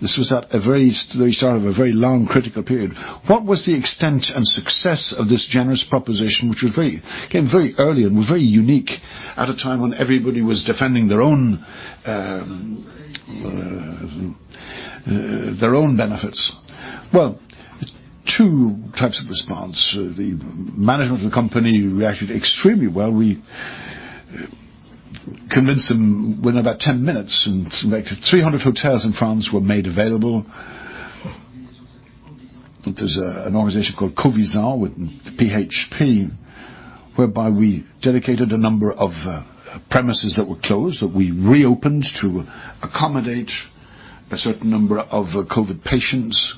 This was at the very start of a very long critical period. What was the extent and success of this generous proposition, which came very early and was very unique at a time when everybody was defending their own benefits? Well, two types of response. The management of the company reacted extremely well. We convinced them within about 10 minutes, and 300 hotels in France were made available. There's an organization called CoviSan with AP-HP, whereby we dedicated a number of premises that were closed that we reopened to accommodate a certain number of COVID patients,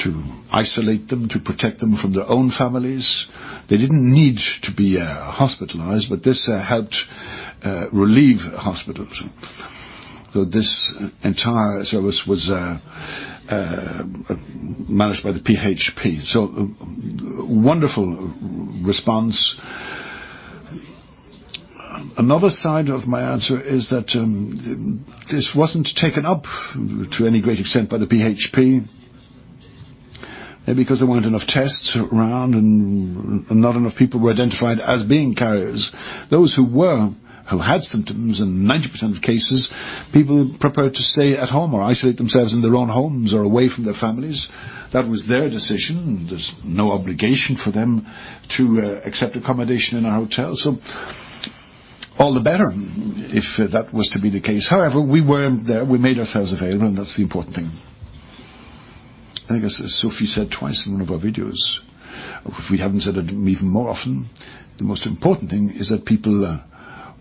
to isolate them, to protect them from their own families. They didn't need to be hospitalized, but this helped relieve hospitals. So this entire service was managed by the AP-HP. So wonderful response. Another side of my answer is that this wasn't taken up to any great extent by the AP-HP because there weren't enough tests around and not enough people were identified as being carriers. Those who were, who had symptoms in 90% of cases, people preferred to stay at home or isolate themselves in their own homes or away from their families. That was their decision. There's no obligation for them to accept accommodation in our hotel. So all the better if that was to be the case. However, we weren't there. We made ourselves available, and that's the important thing. I think Sophie said twice in one of our videos, if we haven't said it even more often, the most important thing is that people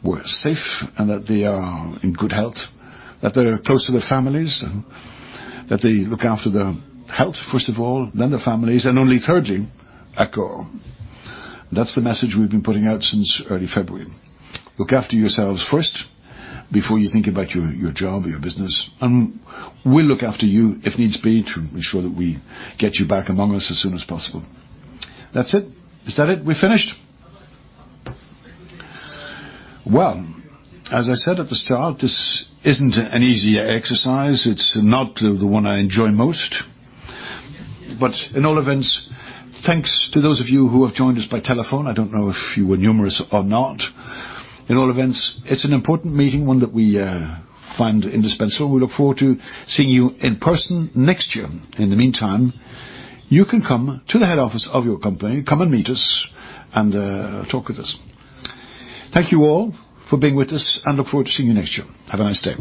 were safe and that they are in good health, that they're close to their families, that they look after their health, first of all, then their families, and only thirdly, Accor. That's the message we've been putting out since early February. Look after yourselves first before you think about your job or your business, and we'll look after you if needs be to ensure that we get you back among us as soon as possible. That's it. Is that it? We're finished? As I said at the start, this isn't an easy exercise. It's not the one I enjoy most. But in all events, thanks to those of you who have joined us by telephone. I don't know if you were numerous or not. In all events, it's an important meeting, one that we find indispensable, and we look forward to seeing you in person next year. In the meantime, you can come to the head office of your company, come and meet us and talk with us. Thank you all for being with us, and look forward to seeing you next year. Have a nice day.